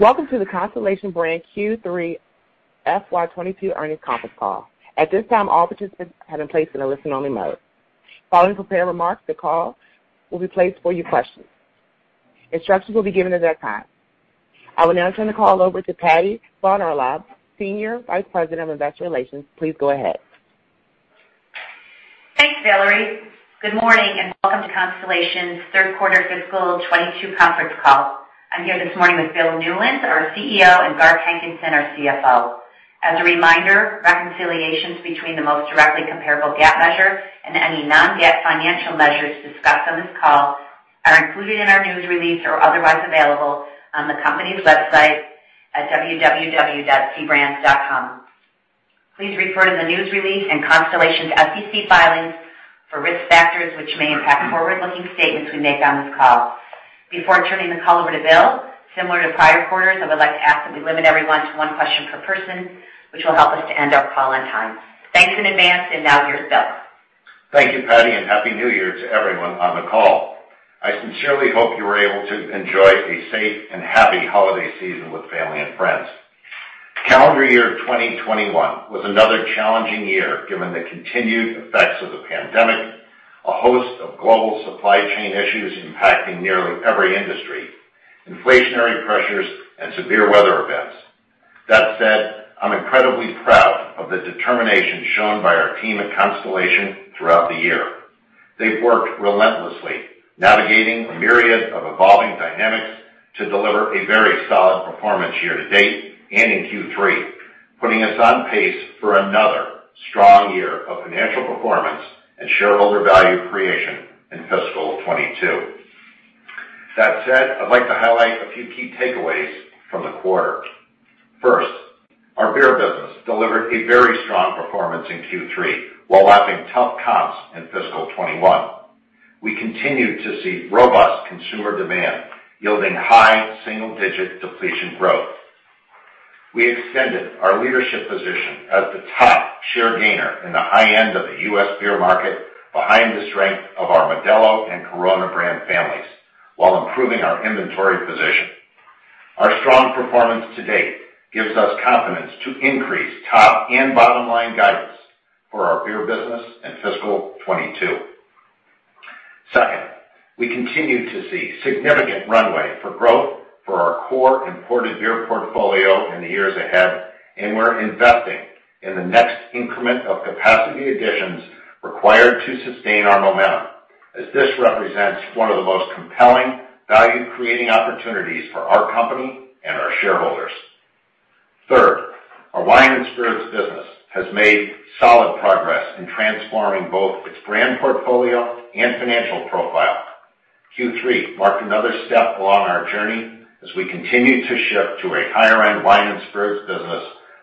Welcome to the Constellation Brands Q3 FY 2022 earnings conference call. At this time, all participants have been placed in a listen-only mode. Following prepared remarks, the call will be placed for your questions. Instructions will be given at that time. I will now turn the call over to Patty Yahn-Urlaub, Senior Vice President of Investor Relations. Please go ahead. Thanks, Valerie. Good morning and welcome to Constellation's third quarter fiscal 2022 conference call. I'm here this morning with Bill Newlands, our CEO, and Garth Hankinson, our CFO. As a reminder, reconciliations between the most directly comparable GAAP measure and any non-GAAP financial measures discussed on this call are included in our news release or otherwise available on the company's website at www.cbrands.com. Please refer to the news release and Constellation's SEC filings for risk factors which may impact forward-looking statements we make on this call. Before turning the call over to Bill, similar to prior quarters, I would like to ask that we limit everyone to 1 question per person, which will help us to end our call on time. Thanks in advance, and now here's Bill. Thank you, Patty, and Happy New Year to everyone on the call. I sincerely hope you were able to enjoy a safe and happy holiday season with family and friends. Calendar year 2021 was another challenging year, given the continued effects of the pandemic, a host of global supply chain issues impacting nearly every industry, inflationary pressures, and severe weather events. That said, I'm incredibly proud of the determination shown by our team at Constellation throughout the year. They've worked relentlessly, navigating a myriad of evolving dynamics to deliver a very solid performance year-to-date and in Q3, putting us on pace for another strong year of financial performance and shareholder value creation in fiscal 2022. That said, I'd like to highlight a few key takeaways from the quarter. 1st, our beer business delivered a very strong performance in Q3 while lapping tough comps in fiscal 2021. We continued to see robust consumer demand, yielding high single-digit depletion growth. We extended our leadership position as the top share gainer in the high end of the U.S. beer market behind the strength of our Modelo and Corona brand families while improving our inventory position. Our strong performance to date gives us confidence to increase top and bottom-line guidance for our beer business in fiscal 2022. 2nd, we continue to see significant runway for growth for our core imported beer portfolio in the years ahead, and we're investing in the next increment of capacity additions required to sustain our momentum, as this represents 1 of the most compelling value-creating opportunities for our company and our shareholders. 3rd, our wine and spirits business has made solid progress in transforming both its brand portfolio and financial profile. Q3 marked another step along our journey as we continue to shift to a higher-end wine and spirits business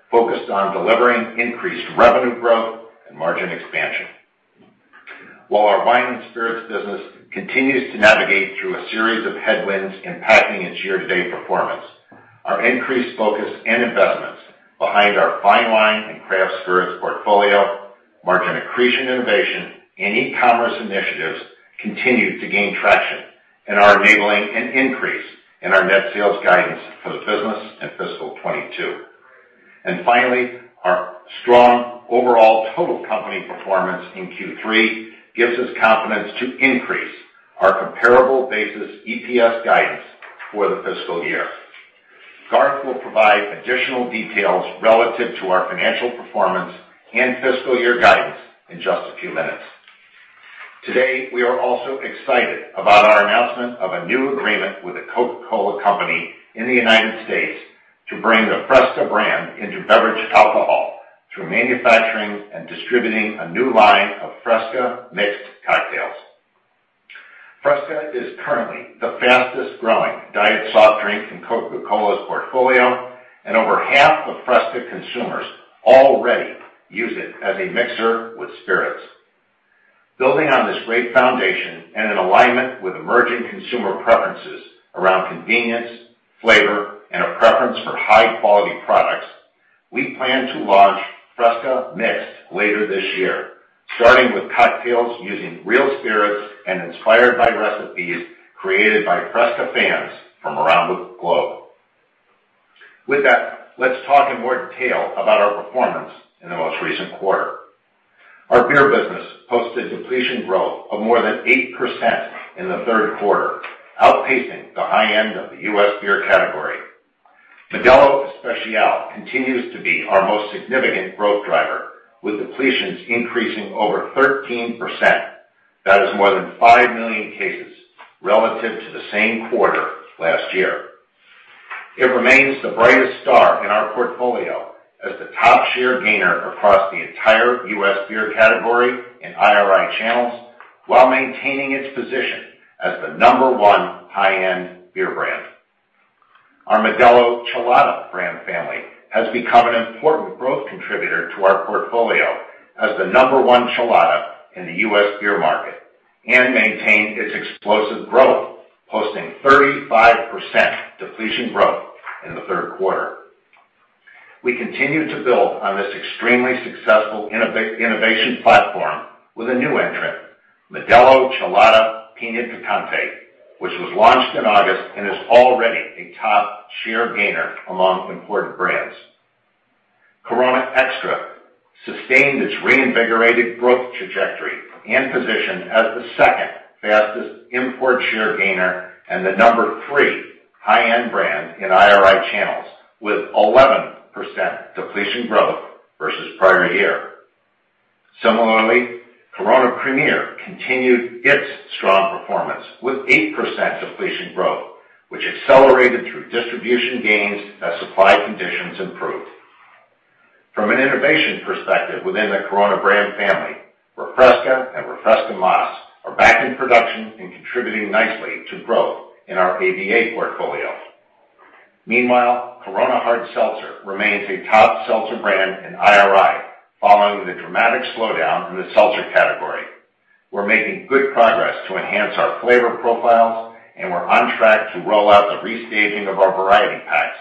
focused on delivering increased revenue growth and margin expansion. While our wine and spirits business continues to navigate through a series of headwinds impacting its year-to-date performance, our increased focus and investments behind our fine wine and craft spirits portfolio, margin accretion innovation, and e-commerce initiatives continue to gain traction and are enabling an increase in our net sales guidance for the business in fiscal 2022. Finally, our strong overall total company performance in Q3 gives us confidence to increase our comparable basis EPS guidance for the fiscal year. Garth will provide additional details relative to our financial performance and fiscal year guidance in just a few minutes. Today, we are also excited about our announcement of a new agreement with The Coca-Cola Company in the United States to bring the FRESCA brand into beverage alcohol through manufacturing and distributing a new line of FRESCA Mixed cocktails. FRESCA is currently the fastest-growing diet soft drink in Coca-Cola's portfolio, and over half of FRESCA consumers already use it as a mixer with spirits. Building on this great foundation and in alignment with emerging consumer preferences around convenience, flavor, and a preference for high-quality products, we plan to launch FRESCA Mixed later this year, starting with cocktails using real spirits and inspired by recipes created by FRESCA fans from around the globe. With that, let's talk in more detail about our performance in the most recent quarter. Our beer business posted depletion growth of more than 8% in the Q3, outpacing the high end of the U.S. beer category. Modelo Especial continues to be our most significant growth driver, with depletions increasing over 13%. That is more than 5 million cases relative to the same quarter last year. It remains the brightest star in our portfolio as the top share gainer across the entire U.S. beer category in IRI channels, while maintaining its position as the number 1 high-end beer brand. Our Modelo Chelada brand family has become an important growth contributor to our portfolio as the number 1 Chelada in the U.S. beer market and maintained its explosive growth, posting 35% depletion growth in the Q3. We continued to build on this extremely successful innovation platform with a new entrant, Modelo Chelada Piña Picante, which was launched in August and is already a top share gainer among imported brands. Corona Extra sustained its reinvigorated growth trajectory and position as the second fastest import share gainer and the number 3 high-end brand in IRI channels, with 11% depletion growth versus prior year. Similarly, Corona Premier continued its strong performance with 8% depletion growth, which accelerated through distribution gains as supply conditions improved. From an innovation perspective within the Corona brand family, Refresca and Refresca Más are back in production and contributing nicely to growth in our ABA portfolio. Meanwhile, Corona Hard Seltzer remains a top seltzer brand in IRI following the dramatic slowdown in the seltzer category. We're making good progress to enhance our flavor profiles, and we're on track to roll out the restaging of our variety packs,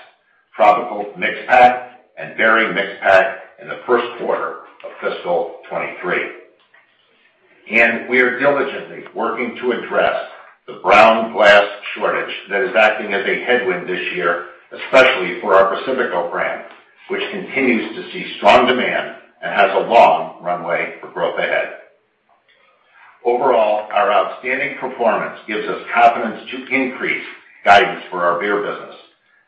Tropical Mix Pack and Berry Mix Pack, in the Q1 of fiscal 2023. We are diligently working to address the brown glass shortage that is acting as a headwind this year, especially for our Pacifico brand, which continues to see strong demand and has a long runway for growth ahead. Overall, our outstanding performance gives us confidence to increase guidance for our beer business,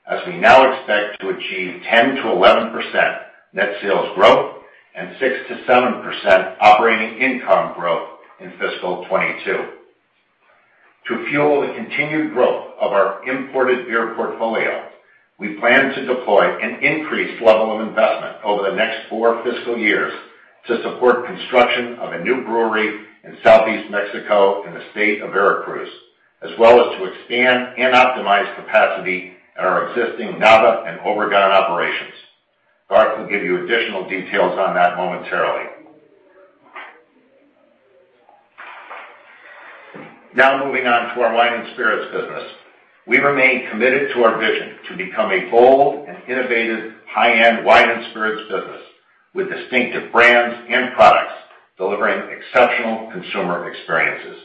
as we now expect to achieve 10%-11% net sales growth and 6% to 7% operating income growth in fiscal 2022. To fuel the continued growth of our imported beer portfolio, we plan to deploy an increased level of investment over the next four fiscal years to support construction of a new brewery in southeast Mexico in the state of Veracruz, as well as to expand and optimize capacity at our existing Nava and Obregón operations. Garth will give you additional details on that momentarily. Now moving on to our wine and spirits business. We remain committed to our vision to become a bold and innovative high-end wine and spirits business with distinctive brands and products delivering exceptional consumer experiences.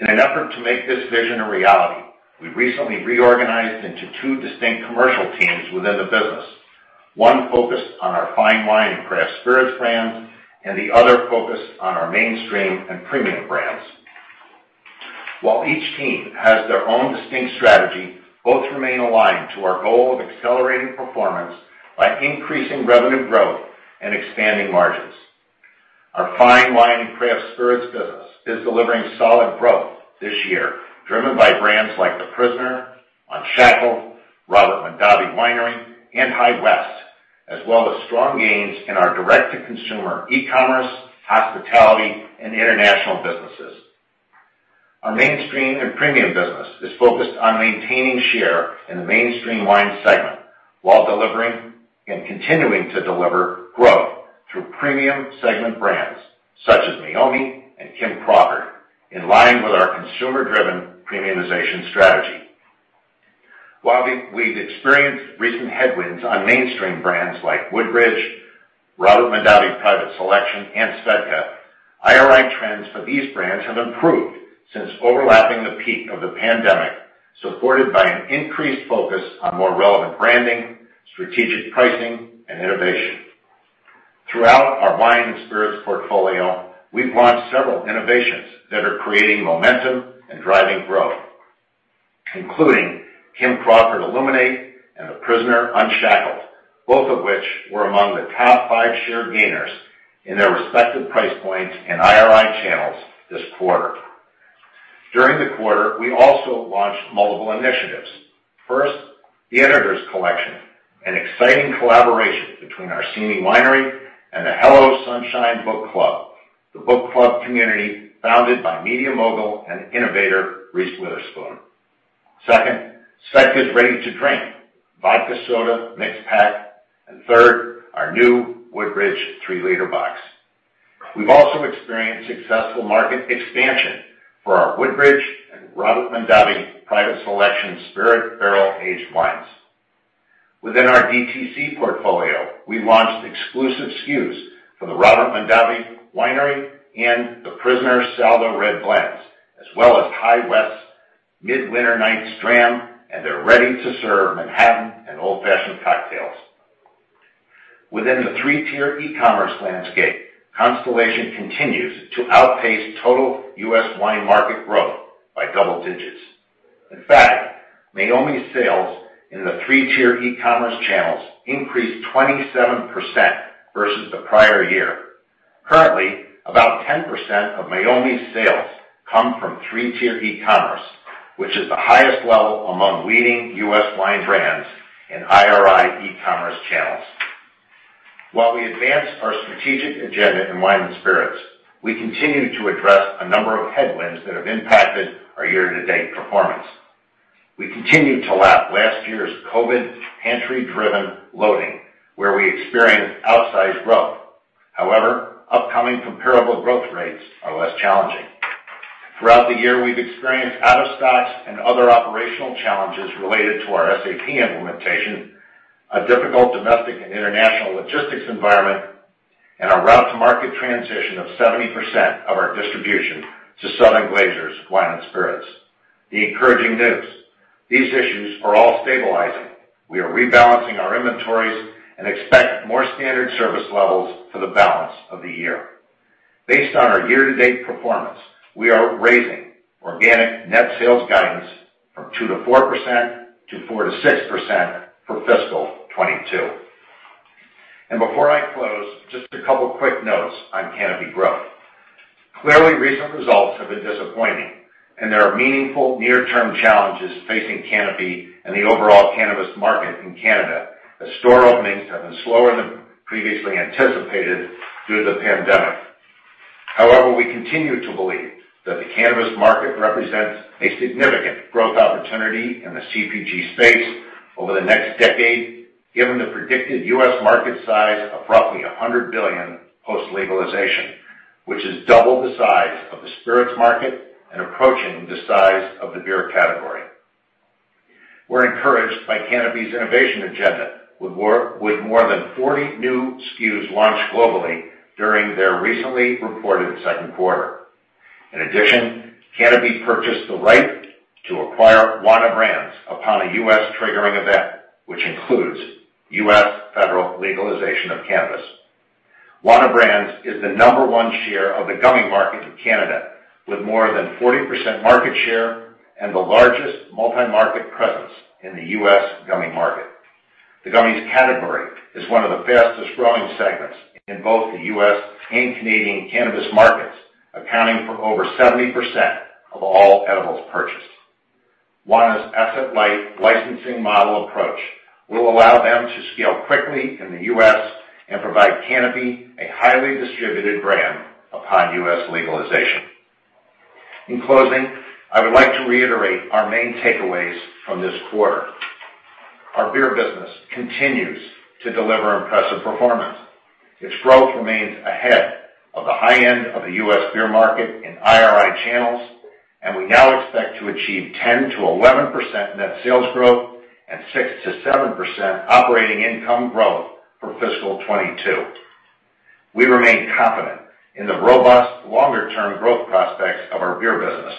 In an effort to make this vision a reality, we recently reorganized into 2 distinct commercial teams within the business, 1 focused on our fine wine and craft spirits brands, and the other focused on our mainstream and premium brands. While each team has their own distinct strategy, both remain aligned to our goal of accelerating performance by increasing revenue growth and expanding margins. Our fine wine and craft spirits business is delivering solid growth this year, driven by brands like The Prisoner, Unshackled, Robert Mondavi Winery, and High West, as well as strong gains in our direct-to-consumer, e-commerce, hospitality, and international businesses. Our mainstream and premium business is focused on maintaining share in the mainstream wine segment while delivering and continuing to deliver growth through premium segment brands, such as Meiomi and Kim Crawford, in line with our consumer-driven premiumization strategy. While we've experienced recent headwinds on mainstream brands like Woodbridge, Robert Mondavi Private Selection, and SVEDKA, IRI trends for these brands have improved since overlapping the peak of the pandemic, supported by an increased focus on more relevant branding, strategic pricing, and innovation. Throughout our wine and spirits portfolio, we've launched several innovations that are creating momentum and driving growth, including Kim Crawford Illuminate and The Prisoner Unshackled, both of which were among the top five share gainers in their respective price points and IRI channels this quarter. During the quarter, we also launched multiple initiatives. First, the Editor's Collection, an exciting collaboration between our SIMI Winery and Reese's Book Club, the book club community founded by media mogul and innovator Reese Witherspoon. Second, SVEDKA's Ready to Drink vodka soda mixed pack, and third, our new Woodbridge three-liter box. We've also experienced successful market expansion for our Woodbridge and Robert Mondavi Private Selection Spirit Barrel-Aged wines. Within our DTC portfolio, we launched exclusive SKUs for the Robert Mondavi Winery and The Prisoner Saldo Red Blend, as well as High West's A Midwinter Night's Dram, and their Ready to Serve Manhattan and Old Fashioned cocktails. Within the three-tier e-commerce landscape, Constellation continues to outpace total U.S. wine market growth by double digits. In fact, Meiomi's sales in the 3-tier e-commerce channels increased 27% versus the prior year. Currently, about 10% of Meiomi's sales come from 3-tier e-commerce, which is the highest level among leading U.S. wine brands in IRI e-commerce channels. While we advance our strategic agenda in wine and spirits, we continue to address a number of headwinds that have impacted our year-to-date performance. We continue to lap last year's COVID pantry-driven loading, where we experienced outsized growth. However, upcoming comparable growth rates are less challenging. Throughout the year, we've experienced out of stocks and other operational challenges related to our SAP implementation, a difficult domestic and international logistics environment, and a route to market transition of 70% of our distribution to Southern Glazer's wine and spirits. The encouraging news, these issues are all stabilizing. We are rebalancing our inventories and expect more standard service levels for the balance of the year. Based on our year-to-date performance, we are raising organic net sales guidance from 2% to 4% to 4% to 6% for fiscal 2022. Before I close, just a couple of quick notes on Canopy Growth. Clearly, recent results have been disappointing, and there are meaningful near-term challenges facing Canopy and the overall cannabis market in Canada, as store openings have been slower than previously anticipated due to the pandemic. However, we continue to believe that the cannabis market represents a significant growth opportunity in the CPG space over the next decade, given the predicted U.S. market size of roughly $100 billion post-legalization, which is double the size of the spirits market and approaching the size of the beer category. We're encouraged by Canopy's innovation agenda, with more than 40 new SKUs launched globally during their recently reported Q2. In addition, Canopy purchased the right to acquire Juana Brands upon a U.S. triggering event, which includes U.S. federal legalization of cannabis. Juana Brands is the number 1 share of the gummy market in Canada, with more than 40% market share and the largest multi-market presence in the U.S. gummy market. The gummies category is 1 of the fastest-growing segments in both the U.S. and Canadian cannabis markets, accounting for over 70% of all edibles purchased. Juana's asset light licensing model approach will allow them to scale quickly in the U.S. and provide Canopy a highly distributed brand upon U.S. legalization. In closing, I would like to reiterate our main takeaways from this quarter. Our beer business continues to deliver impressive performance. Its growth remains ahead of the high end of the U.S. beer market in IRI channels, and we now expect to achieve 10%-11% net sales growth and 6% to 7% operating income growth for fiscal 2022. We remain confident in the robust longer-term growth prospects of our beer business,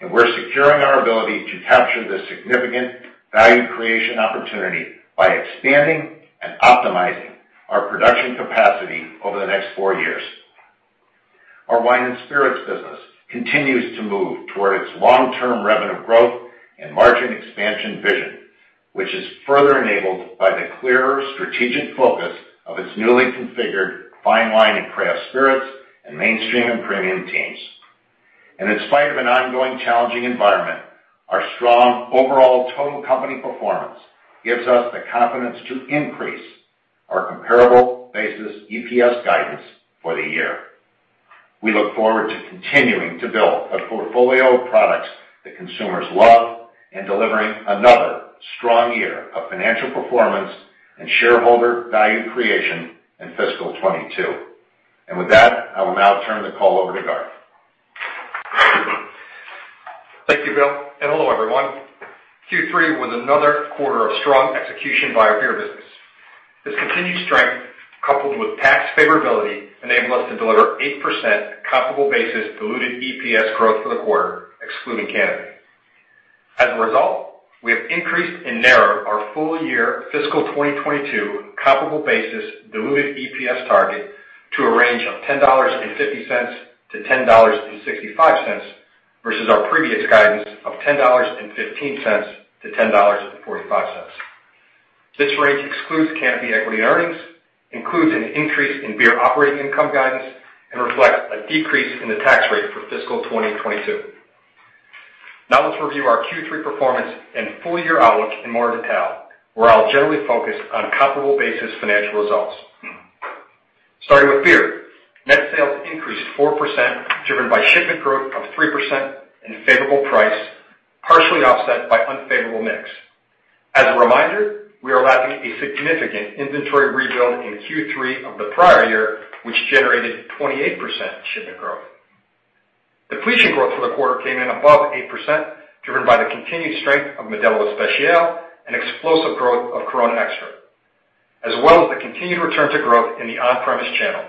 and we're securing our ability to capture this significant value creation opportunity by expanding and optimizing our production capacity over the next 4 years. Our wine and spirits business continues to move toward its long-term revenue growth and margin expansion vision, which is further enabled by the clearer strategic focus of its newly configured fine wine and craft spirits and mainstream and premium teams. In spite of an ongoing challenging environment, our strong overall total company performance gives us the confidence to increase our comparable basis EPS guidance for the year. We look forward to continuing to build a portfolio of products that consumers love and delivering another strong year of financial performance and shareholder value creation in fiscal 2022. With that, I will now turn the call over to Garth. Thank you, Bill, and hello, everyone. Q3 was another quarter of strong execution by our beer business. This continued strength, coupled with tax favorability, enabled us to deliver 8% comparable basis diluted EPS growth for the quarter, excluding Canopy. As a result, we have increased and narrowed our full-year FY 2022 comparable basis diluted EPS target to a range of $10.50 to $10.65 versus our previous guidance of $10.15 to $10.45. This range excludes Canopy equity earnings, includes an increase in beer operating income guidance, and reflects a decrease in the tax rate for FY 2022. Now let's review our Q3 performance and full-year outlook in more detail, where I'll generally focus on comparable basis financial results. Starting with beer, net sales increased 4%, driven by shipment growth of 3% and favorable price, partially offset by unfavorable mix. As a reminder, we are lapping a significant inventory rebuild in Q3 of the prior year, which generated 28% shipment growth. Depletion growth for the quarter came in above 8%, driven by the continued strength of Modelo Especial and explosive growth of Corona Extra, as well as the continued return to growth in the on-premise channel.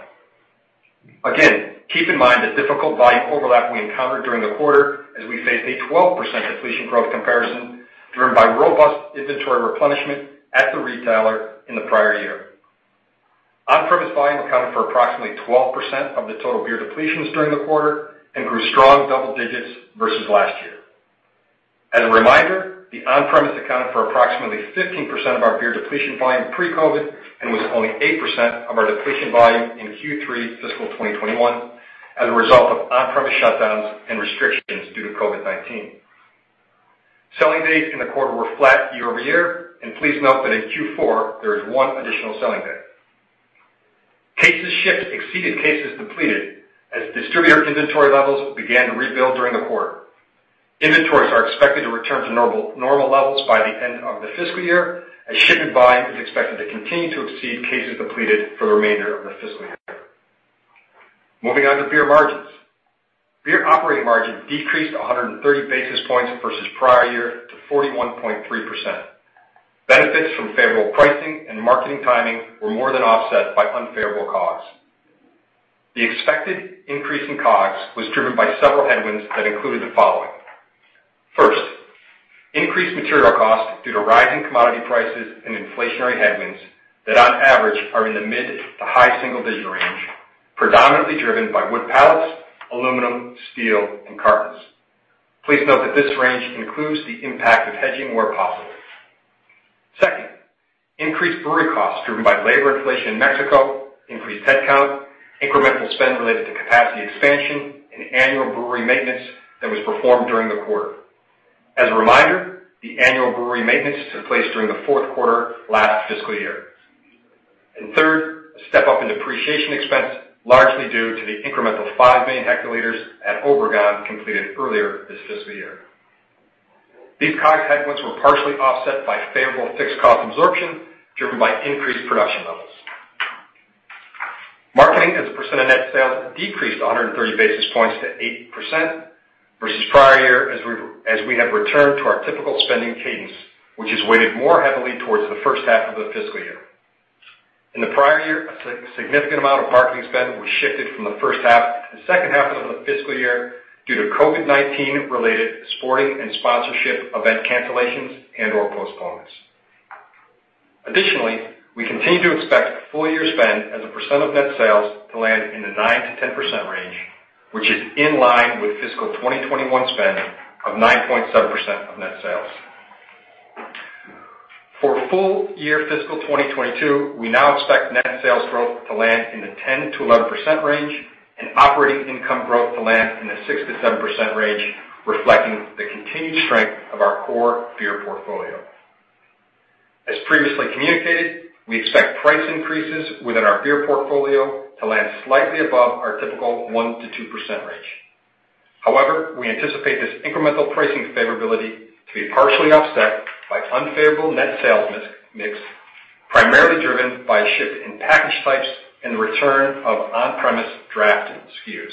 Again, keep in mind the difficult volume overlap we encountered during the quarter as we faced a 12% depletion growth comparison driven by robust inventory replenishment at the retailer in the prior year. On-premise volume accounted for approximately 12% of the total beer depletions during the quarter and grew strong double digits versus last year. As a reminder, the on-premise accounted for approximately 15% of our beer depletion volume pre-COVID and was only 8% of our depletion volume in Q3 fiscal 2021 as a result of on-premise shutdowns and restrictions due to COVID-19. Selling days in the quarter were flat year-over-year, and please note that in Q4, there is 1 additional selling day. Cases shipped exceeded cases depleted as distributor inventory levels began to rebuild during the quarter. Inventories are expected to return to normal levels by the end of the fiscal year, as shipment buying is expected to continue to exceed cases depleted for the remainder of the fiscal year. Moving on to beer margins. Beer operating margin decreased 130 basis points versus prior year to 41.3%. Benefits from favorable pricing and marketing timing were more than offset by unfavorable costs. The expected increase in COGS was driven by several headwinds that included the following. First, increased material costs due to rising commodity prices and inflationary headwinds that on average are in the mid- to high single-digit range, predominantly driven by wood pallets, aluminum, steel, and cartons. Please note that this range includes the impact of hedging where possible. Second, increased brewery costs driven by labor inflation in Mexico, increased headcount, incremental spend related to capacity expansion, and annual brewery maintenance that was performed during the quarter. As a reminder, the annual brewery maintenance took place during the Q4 last fiscal year. 3rd, a step-up in depreciation expense, largely due to the incremental 5 million hectoliters at Obregon completed earlier this fiscal year. These COGS headwinds were partially offset by favorable fixed cost absorption driven by increased production levels. Marketing as a percent of net sales decreased 130 basis points to 8% versus prior year as we have returned to our typical spending cadence, which is weighted more heavily towards the first half of the fiscal year. In the prior year, a significant amount of marketing spend was shifted from the first half to the second half of the fiscal year due to COVID-19 related sporting and sponsorship event cancellations and/or postponements. Additionally, we continue to expect full year spend as a percent of net sales to land in the 9%-10% range, which is in line with fiscal 2021 spend of 9.7% of net sales. For full year fiscal 2022, we now expect net sales growth to land in the 10%-11% range and operating income growth to land in the 6% to 7% range, reflecting the continued strength of our core beer portfolio. As previously communicated, we expect price increases within our beer portfolio to land slightly above our typical 1%-2% range. However, we anticipate this incremental pricing favorability to be partially offset by unfavorable net sales mis-mix, primarily driven by a shift in package types and the return of on-premise draft SKUs.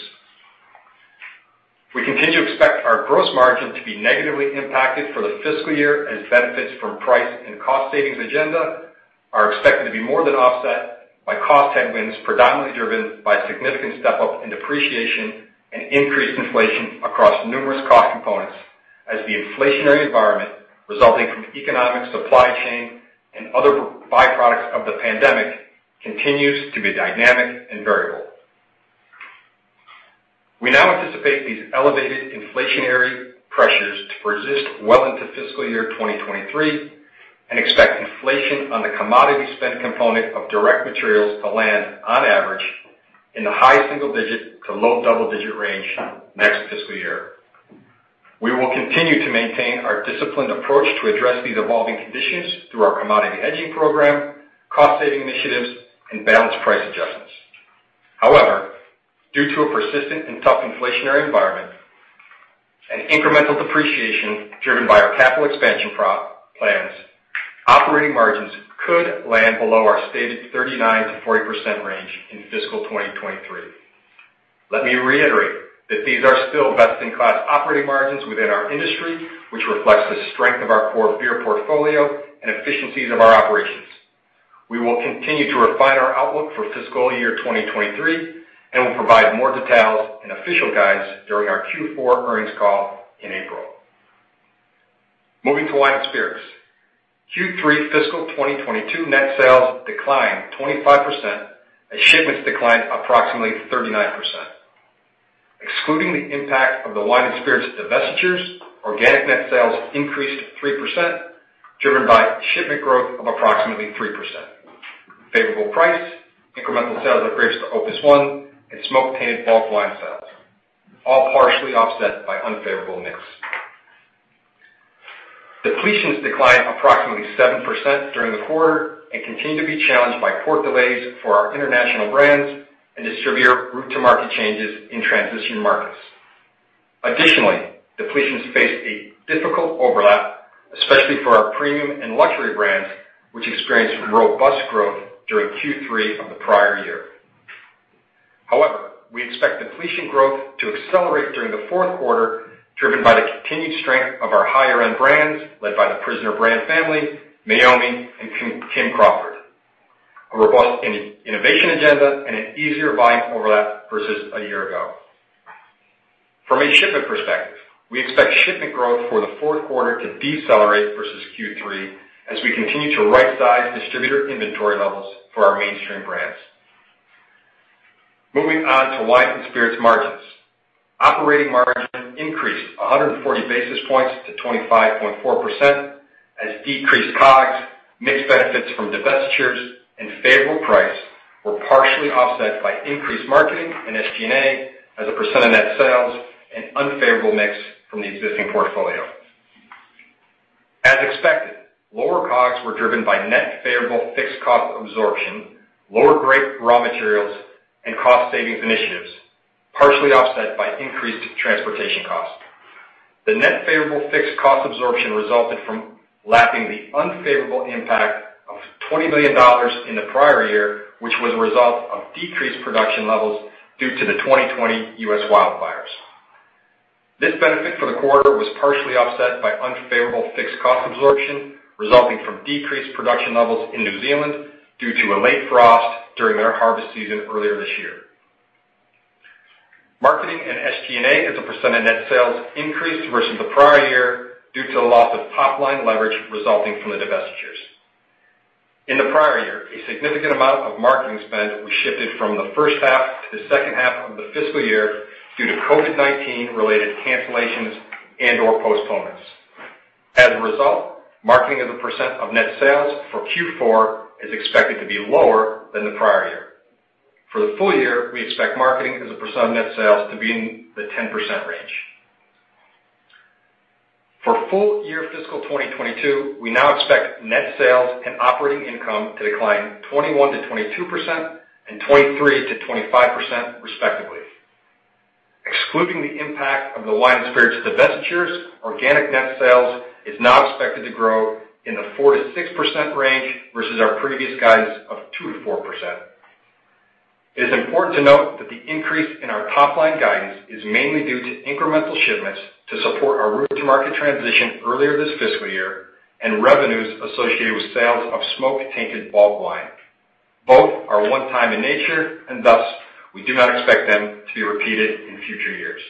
We continue to expect our gross margin to be negatively impacted for the fiscal year as benefits from price and cost savings agenda are expected to be more than offset by cost headwinds, predominantly driven by a significant step-up in depreciation and increased inflation across numerous cost components as the inflationary environment resulting from economic supply chain and other byproducts of the pandemic continues to be dynamic and variable. We now anticipate these elevated inflationary pressures to persist well into fiscal year 2023 and expect inflation on the commodity spend component of direct materials to land on average in the high single digit to low double-digit range next fiscal year. We will continue to maintain our disciplined approach to address these evolving conditions through our commodity hedging program, cost-saving initiatives, and balanced price adjustments. However, due to a persistent and tough inflationary environment and incremental depreciation driven by our capital expansion plans, operating margins could land below our stated 39% to 40% range in fiscal 2023. Let me reiterate that these are still best-in-class operating margins within our industry, which reflects the strength of our core beer portfolio and efficiencies of our operations. We will continue to refine our outlook for fiscal year 2023, and we'll provide more details and official guides during our Q4 earnings call in April. Moving to Wine and Spirits. Q3 fiscal 2022 net sales declined 25% as shipments declined approximately 39%. Excluding the impact of the Wine and Spirits divestitures, organic net sales increased 3%, driven by shipment growth of approximately 3%. Favorable price, incremental sales of grapes to Opus 1, and smoke-tainted bulk wine sales, all partially offset by unfavorable mix. Depletions declined approximately 7% during the quarter and continue to be challenged by port delays for our international brands and distributor route to market changes in transition markets. Depletions faced a difficult overlap, especially for our premium and luxury brands, which experienced robust growth during Q3 of the prior year. We expect depletion growth to accelerate during the Q4, driven by the continued strength of our higher-end brands led by The Prisoner brand family, Meiomi, and Kim Crawford, a robust innovation agenda, and an easier buying overlap versus a year ago. From a shipment perspective, we expect shipment growth for the Q4 to decelerate versus Q3 as we continue to right-size distributor inventory levels for our mainstream brands. Moving on to wine and spirits margins. Operating margin increased 140 basis points to 25.4% as decreased COGS, mixed benefits from divestitures, and favorable price were partially offset by increased marketing and SG&A as a percent of net sales and unfavorable mix from the existing portfolio. Lower COGS were driven by net favorable fixed cost absorption, lower grape raw materials, and cost savings initiatives, partially offset by increased transportation costs. The net favorable fixed cost absorption resulted from lapping the unfavorable impact of $20 million in the prior year, which was a result of decreased production levels due to the 2020 U.S. wildfires. This benefit for the quarter was partially offset by unfavorable fixed cost absorption resulting from decreased production levels in New Zealand due to a late frost during their harvest season earlier this year. Marketing and SG&A as a % of net sales increased versus the prior year due to the loss of top-line leverage resulting from the divestitures. In the prior year, a significant amount of marketing spend was shifted from the first half to the second half of the fiscal year due to COVID-19 related cancellations and/or postponements. As a result, marketing as a % of net sales for Q4 is expected to be lower than the prior year. For the full year, we expect marketing as a % of net sales to be in the 10% range. For full year fiscal 2022, we now expect net sales and operating income to decline 21% to 22% and 23%-25% respectively. Excluding the impact of the wine and spirits divestitures, organic net sales is now expected to grow in the 4%-6% range versus our previous guidance of 2% to 4%. It is important to note that the increase in our top-line guidance is mainly due to incremental shipments to support our route to market transition earlier this fiscal year and revenues associated with sales of smoke-tainted bulk wine. Both are one-time in nature, and thus, we do not expect them to be repeated in future years.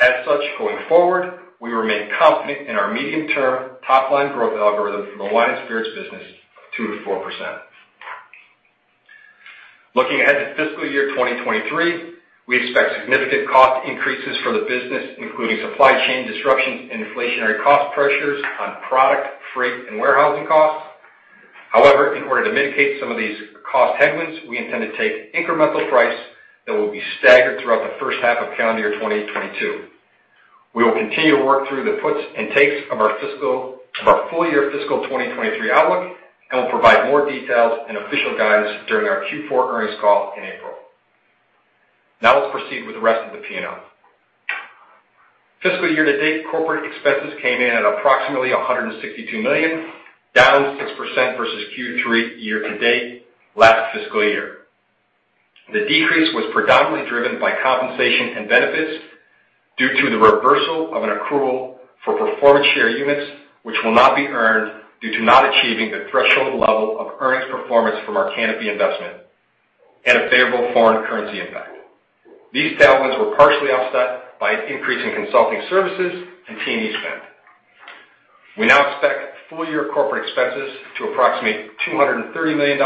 As such, going forward, we remain confident in our medium-term top-line growth algorithm for the wine and spirits business, 2% to 4%. Looking ahead to fiscal year 2023, we expect significant cost increases for the business, including supply chain disruptions and inflationary cost pressures on product, freight, and warehousing costs. However, in order to mitigate some of these cost headwinds, we intend to take incremental price that will be staggered throughout the H1 of calendar year 2022. We will continue to work through the puts and takes of our full year fiscal 2023 outlook, and we'll provide more details and official guidance during our Q4 earnings call in April. Now let's proceed with the rest of the P&L. Fiscal year to date, corporate expenses came in at approximately $162 million, down 6% versus Q3 year to date last fiscal year. The decrease was predominantly driven by compensation and benefits due to the reversal of an accrual for performance share units, which will not be earned due to not achieving the threshold level of earnings performance from our Canopy investment and a favorable foreign currency impact. These tailwinds were partially offset by an increase in consulting services and team e-spend. We now expect full year corporate expenses to approximate $230 million,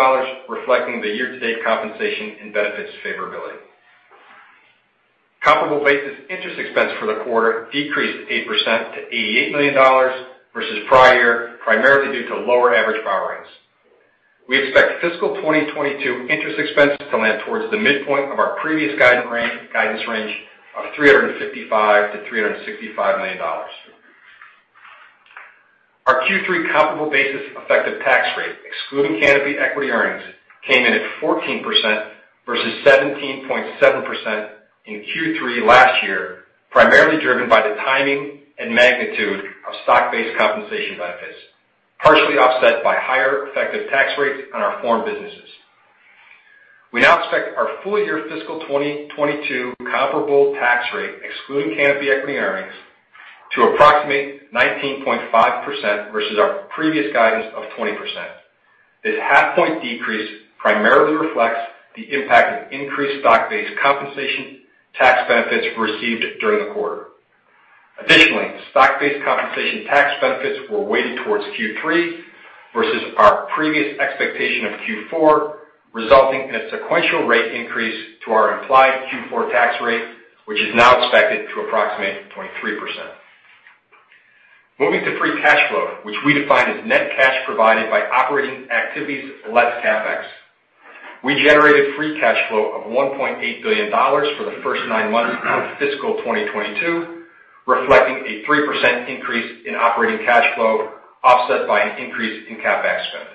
reflecting the year-to-date compensation and benefits favorability. Comparable basis interest expense for the quarter decreased 8% to $88 million versus prior year, primarily due to lower average borrowings. We expect fiscal 2022 interest expenses to land towards the midpoint of our previous guidance range of $355 million to $365 million. Our Q3 comparable basis effective tax rate, excluding Canopy equity earnings, came in at 14% versus 17.7% in Q3 last year, primarily driven by the timing and magnitude of stock-based compensation benefits, partially offset by higher effective tax rates on our foreign businesses. We now expect our full year fiscal 2022 comparable tax rate, excluding Canopy equity earnings, to approximate 19.5% versus our previous guidance of 20%. This half point decrease primarily reflects the impact of increased stock-based compensation tax benefits received during the quarter. Additionally, stock-based compensation tax benefits were weighted towards Q3 versus our previous expectation of Q4, resulting in a sequential rate increase to our implied Q4 tax rate, which is now expected to approximate 23%. Moving to free cash flow, which we define as net cash provided by operating activities less CapEx. We generated free cash flow of $1.8 billion for the first nine months of fiscal 2022, reflecting a 3% increase in operating cash flow, offset by an increase in CapEx spend.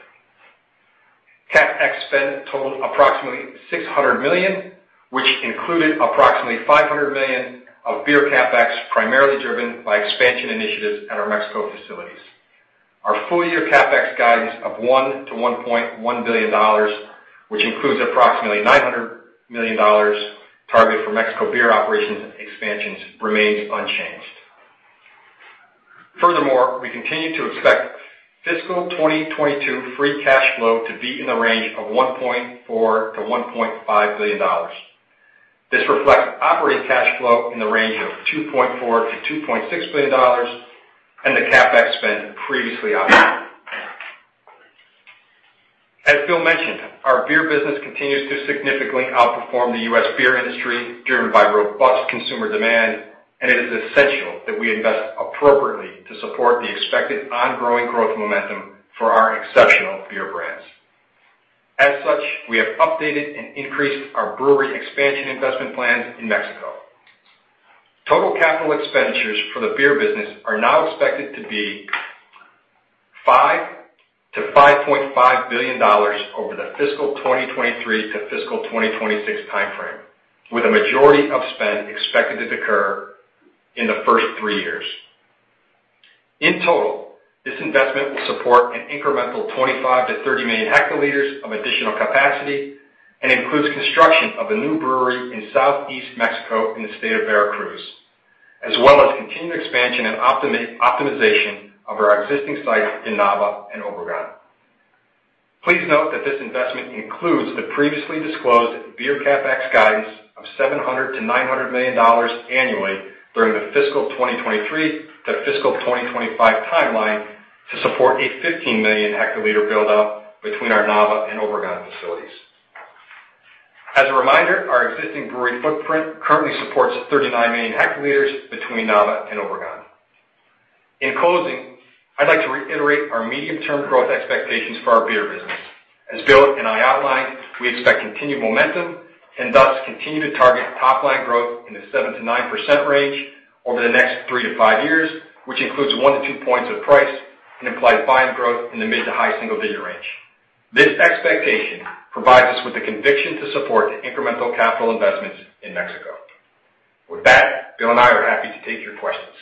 CapEx spend totaled approximately $600 million, which included approximately $500 million of beer CapEx, primarily driven by expansion initiatives at our Mexico facilities. Our full year CapEx guidance of $1 billion-$1.1 billion, which includes approximately $900 million targeted for Mexico beer operations expansions remains unchanged. Furthermore, we continue to expect fiscal 2022 free cash flow to be in the range of $1.4 billion-$1.5 billion. This reflects operating cash flow in the range of $2.4 billion-$2.6 billion and the CapEx spend previously outlined. As Phil mentioned, our beer business continues to significantly outperform the U.S. beer industry, driven by robust consumer demand, and it is essential that we invest appropriately to support the expected ongoing growth momentum for our exceptional beer brands. We have updated and increased our brewery expansion investment plans in Mexico. Total capital expenditures for the beer business are now expected to be $5 billion-$5.5 billion over the fiscal 2023 to fiscal 2026 time frame, with a majority of spend expected to occur in the first three years. In total, this investment will support an incremental 25 to 30 million hectoliters of additional capacity, and includes construction of a new brewery in Southeast Mexico in the state of Veracruz, as well as continued expansion and optimization of our existing sites in Nava and Obregon. Please note that this investment includes the previously disclosed beer CapEx guidance of $700 million-$900 million annually during the fiscal 2023 to fiscal 2025 timeline to support a 15 million hectoliter build out between our Nava and Obregon facilities. As a reminder, our existing brewery footprint currently supports 39 million hectoliters between Nava and Obregon. In closing, I'd like to reiterate our medium-term growth expectations for our beer business. As Bill and I outlined, we expect continued momentum and thus continue to target top line growth in the 7% to 9% range over the next 3 to 5 years, which includes 1 to 2 points of price and implied volume growth in the mid- to high-single-digit range. This expectation provides us with the conviction to support incremental capital investments in Mexico. With that, Bill and I are happy to take your questions.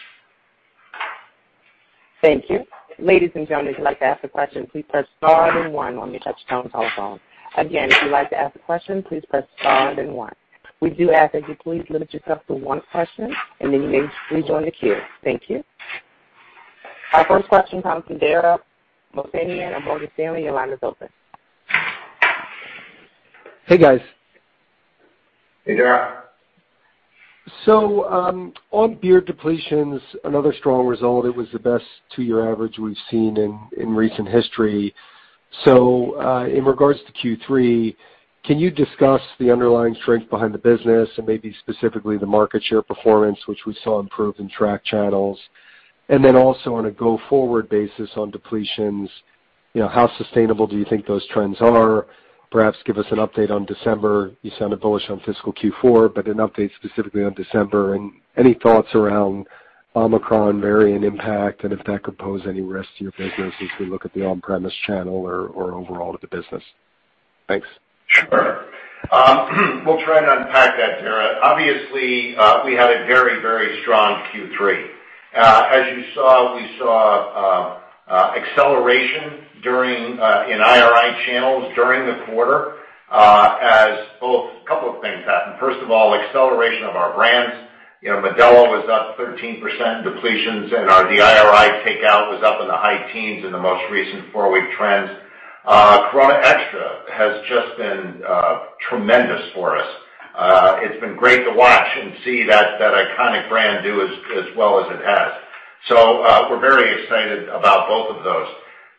Thank you. Ladies and gentlemen, if you'd like to ask a question, please press star then 1 on your touchtone telephone. Again, if you'd like to ask a question, please press star then 1,We do ask that you please limit yourself to 1 question and then you may rejoin the queue. Thank you. Our 1st question comes from Dara Mohsenian of Morgan Stanley. Your line is open. Hey, guys. Hey, Dara. On beer depletions, another strong result. 2-year average we've seen in recent history. In regards to Q3, can you discuss the underlying strength behind the business and maybe specifically the market share performance, which we saw improve in tracked channels? Then also on a go-forward basis on depletions, you know, how sustainable do you think those trends are? Perhaps give us an update on December. You sounded bullish on fiscal Q4, but an update specifically on December and any thoughts around Omicron variant impact and if that could pose any risk to your business as we look at the on-premise channel or overall at the business. Thanks. Sure. We'll try and unpack that, Dara. Obviously, we had a very strong Q3. As you saw, acceleration in IRI channels during the quarter, as both a couple of things happened. 1st of all, acceleration of our brands. You know, Modelo was up 13% depletions, and our IRI takeout was up in the high teens in the most recent 4-week trends. Corona Extra has just been tremendous for us. It's been great to watch and see that iconic brand do as well as it has. We're very excited about both of those.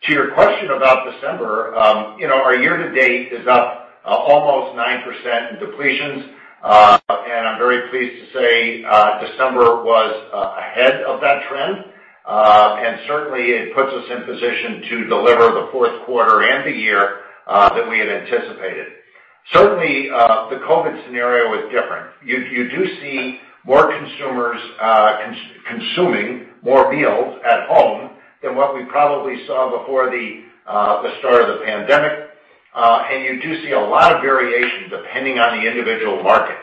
To your question about December, you know, our year to date is up almost 9% in depletions. I'm very pleased to say December was ahead of that trend. Certainly, it puts us in position to deliver the Q4 and the year that we had anticipated. Certainly, the COVID scenario is different. You do see more consumers consuming more meals at home than what we probably saw before the start of the pandemic. You do see a lot of variation depending on the individual market.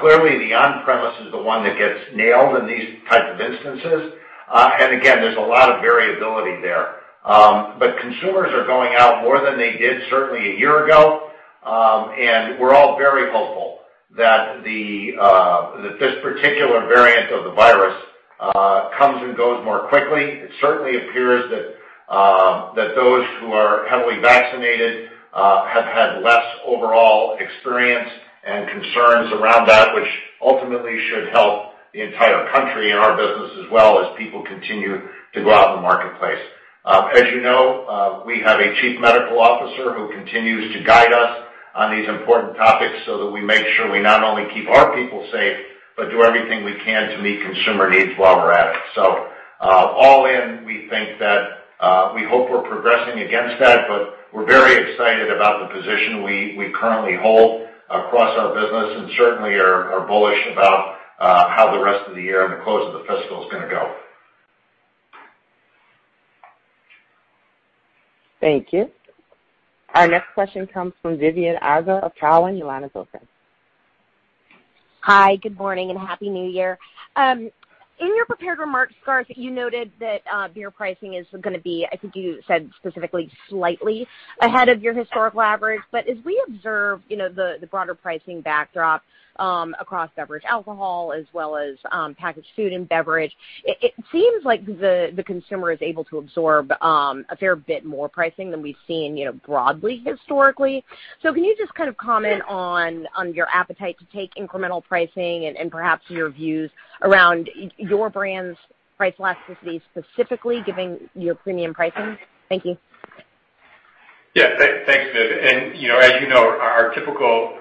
Clearly, the on-premise is the 1 that gets nailed in these types of instances. Again, there's a lot of variability there. Consumers are going out more than they did certainly a year ago, and we're all very hopeful that this particular variant of the virus comes and goes more quickly. It certainly appears that those who are heavily vaccinated have had less overall experience and concerns around that, which ultimately should help the entire country and our business as well as people continue to go out in the marketplace. As you know, we have a Chief Medical Officer who continues to guide us on these important topics so that we make sure we not only keep our people safe, but do everything we can to meet consumer needs while we're at it. All in, we think that we hope we're progressing against that, but we're very excited about the position we currently hold across our business and certainly are bullish about how the rest of the year and the close of the fiscal is gonna go. Thank you. Our next question comes from Vivien Azer of Cowen. Your line is open. Hi, good morning and Happy New Year. In your prepared remarks, Garth, you noted that beer pricing is going to be, I think you said specifically slightly ahead of your historical average. As we observe, you know, the broader pricing backdrop across beverage alcohol as well as packaged food and beverage, it seems like the consumer is able to absorb a fair bit more pricing than we've seen, you know, broadly historically. Can you just kind of comment on your appetite to take incremental pricing and perhaps your views around your brand's price elasticity, specifically given your premium pricing? Thank you. Thanks, Viv. You know, as you know, our typical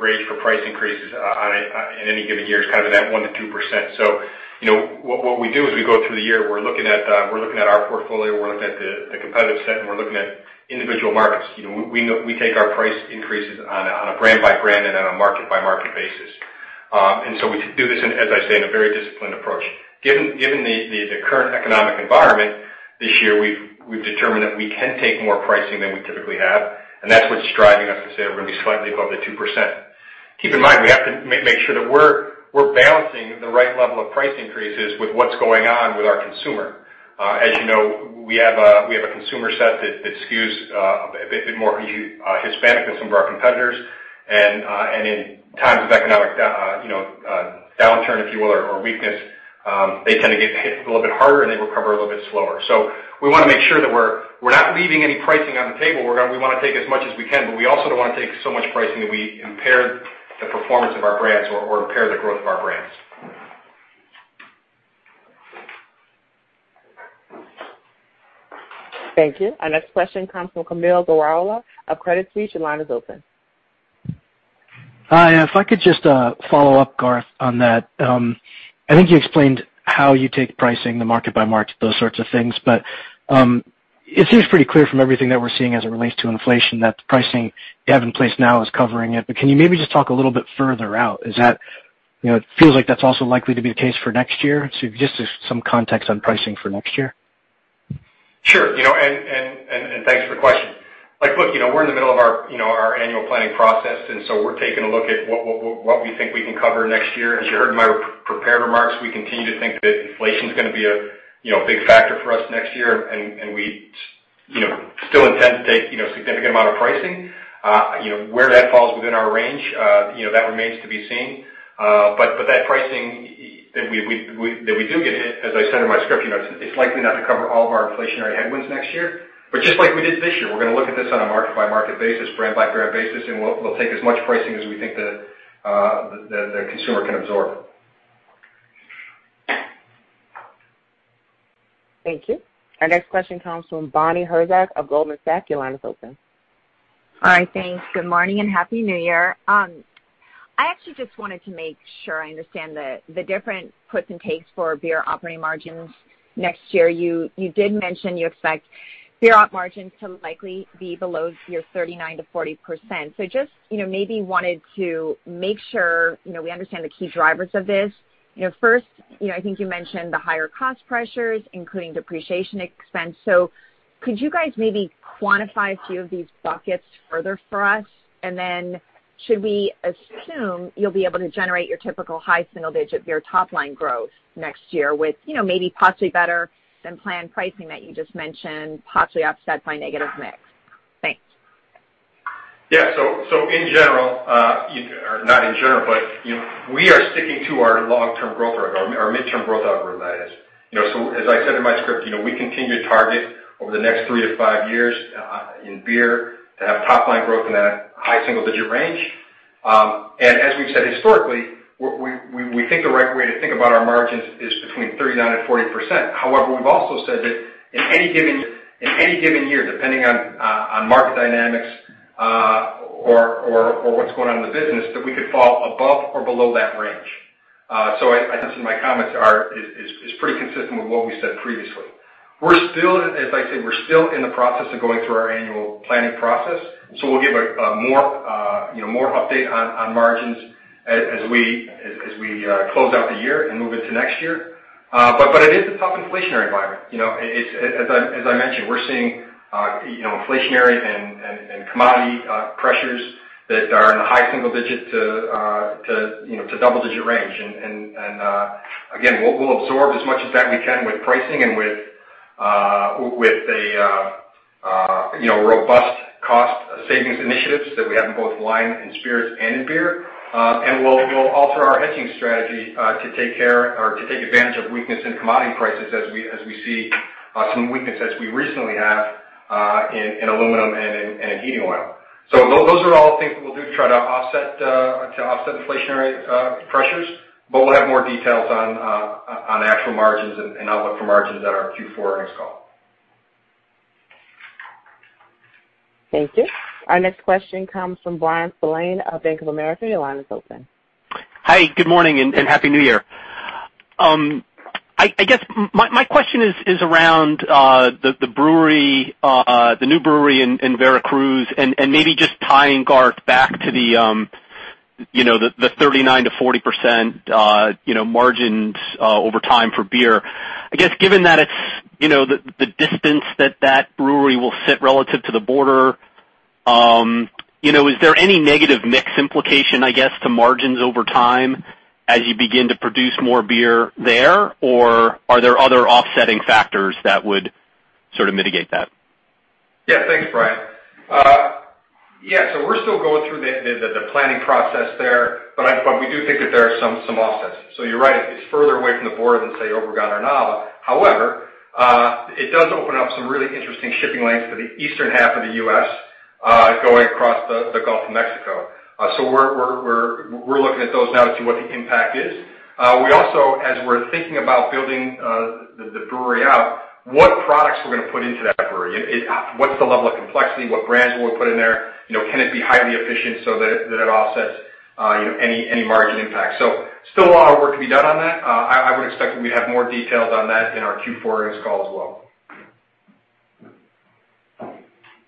range for price increases on average in any given year is kind of in that 1% to 2%. You know, what we do is we go through the year, we're looking at our portfolio, we're looking at the competitive set, and we're looking at individual markets. You know, we take our price increases on a brand by brand and on a market by market basis. We do this, as I say, in a very disciplined approach. Given the current economic environment this year, we've determined that we can take more pricing than we typically have, and that's what's driving us to say we're gonna be slightly above the 2%. Keep in mind, we have to make sure that we're balancing the right level of price increases with what's going on with our consumer. As you know, we have a consumer set that skews a bit more Hispanic than some of our competitors. In times of economic downturn, you know, if you will, or weakness, they tend to get hit a little bit harder, and they recover a little bit slower. We wanna make sure that we're not leaving any pricing on the table. We want to take as much as we can, but we also don't wanna take so much pricing that we impair the performance of our brands or impair the growth of our brands. Thank you. Our next question comes from Kaumil Gajrawala of Credit Suisse. Your line is open. Hi, if I could just follow up, Garth, on that. I think you explained how you take pricing the market by market, those sorts of things. It seems pretty clear from everything that we're seeing as it relates to inflation that the pricing you have in place now is covering it. Can you maybe just talk a little bit further out? Is that, you know, it feels like that's also likely to be the case for next year. Just as some context on pricing for next year. Sure. You know, thanks for the question. Like, look, you know, we're in the middle of our, you know, our annual planning process, and so we're taking a look at what we think we can cover next year. As you heard in my pre-prepared remarks, we continue to think that inflation is gonna be a, you know, big factor for us next year. We, you know, still intend to take, you know, a significant amount of pricing. You know, where that falls within our range, you know, that remains to be seen. That pricing that we do get, as I said in my script, you know, it's likely not to cover all of our inflationary headwinds next year. Just like we did this year, we're gonna look at this on a market by market basis, brand by brand basis, and we'll take as much pricing as we think the consumer can absorb. Thank you. Our next question comes from Bonnie Herzog of Goldman Sachs. Your line is open. All right. Thanks. Good morning, and Happy New Year. I actually just wanted to make sure I understand the different puts and takes for beer operating margins next year. You did mention you expect beer op margins to likely be below your 39% to 40%. Just, you know, maybe wanted to make sure, you know, we understand the key drivers of this. You know, first, you know, I think you mentioned the higher cost pressures, including depreciation expense. Could you guys maybe quantify a few of these buckets further for us? Should we assume you'll be able to generate your typical high single-digit beer top line growth next year with, you know, maybe possibly better than planned pricing that you just mentioned, possibly offset by negative mix? Thanks. We are sticking to our long-term growth rate, our midterm growth outlook, that is. You know, as I said in my script, you know, we continue to target over the next 3 to 5 years in beer to have top-line growth in that high single-digit range. As we've said historically, we think the right way to think about our margins is between 39% to 40%. However, we've also said that in any given year, depending on market dynamics or what's going on in the business, that we could fall above or below that range. I think my comments are pretty consistent with what we said previously. We're still, as I said, in the process of going through our annual planning process. We'll give a more update on margins as we close out the year and move into next year. It is a tough inflationary environment. As I mentioned, we're seeing inflationary and commodity pressures that are in the high single digit to double-digit range. Again, we'll absorb as much of that we can with pricing and with a robust cost savings initiatives that we have in both wine and spirits and in beer. We'll alter our hedging strategy to take advantage of weakness in commodity prices as we see some weakness as we recently have in aluminum and in heating oil. Those are all things that we'll do to try to offset inflationary pressures, but we'll have more details on actual margins and outlook for margins at our Q4 earnings call. Thank you. Our next question comes from Bryan Spillane of Bank of America. Your line is open. Hi. Good morning, and Happy New Year. I guess my question is around the brewery, the new brewery in Veracruz, and maybe just tying, Garth, back to the you know, the 39% to 40% you know, margins over time for beer. I guess given that it's you know, the distance that that brewery will sit relative to the border you know, is there any negative mix implication, I guess, to margins over time as you begin to produce more beer there? Or are there other offsetting factors that would sort of mitigate that? Thanks, Bryan. We're still going through the planning process there, but we do think that there are some offsets. You're right, it's further away from the border than, say, Obregón or Nava. However, it does open up some really interesting shipping lanes for the eastern half of the U.S., going across the Gulf of Mexico. We're looking at those now to see what the impact is. We also, as we're thinking about building the brewery out, what products we're going to put into that brewery. What's the level of complexity? What brands will we put in there? You know, can it be highly efficient so that it offsets any margin impact? Still a lot of work to be done on that. I would expect that we'd have more details on that in our Q4 earnings call as well.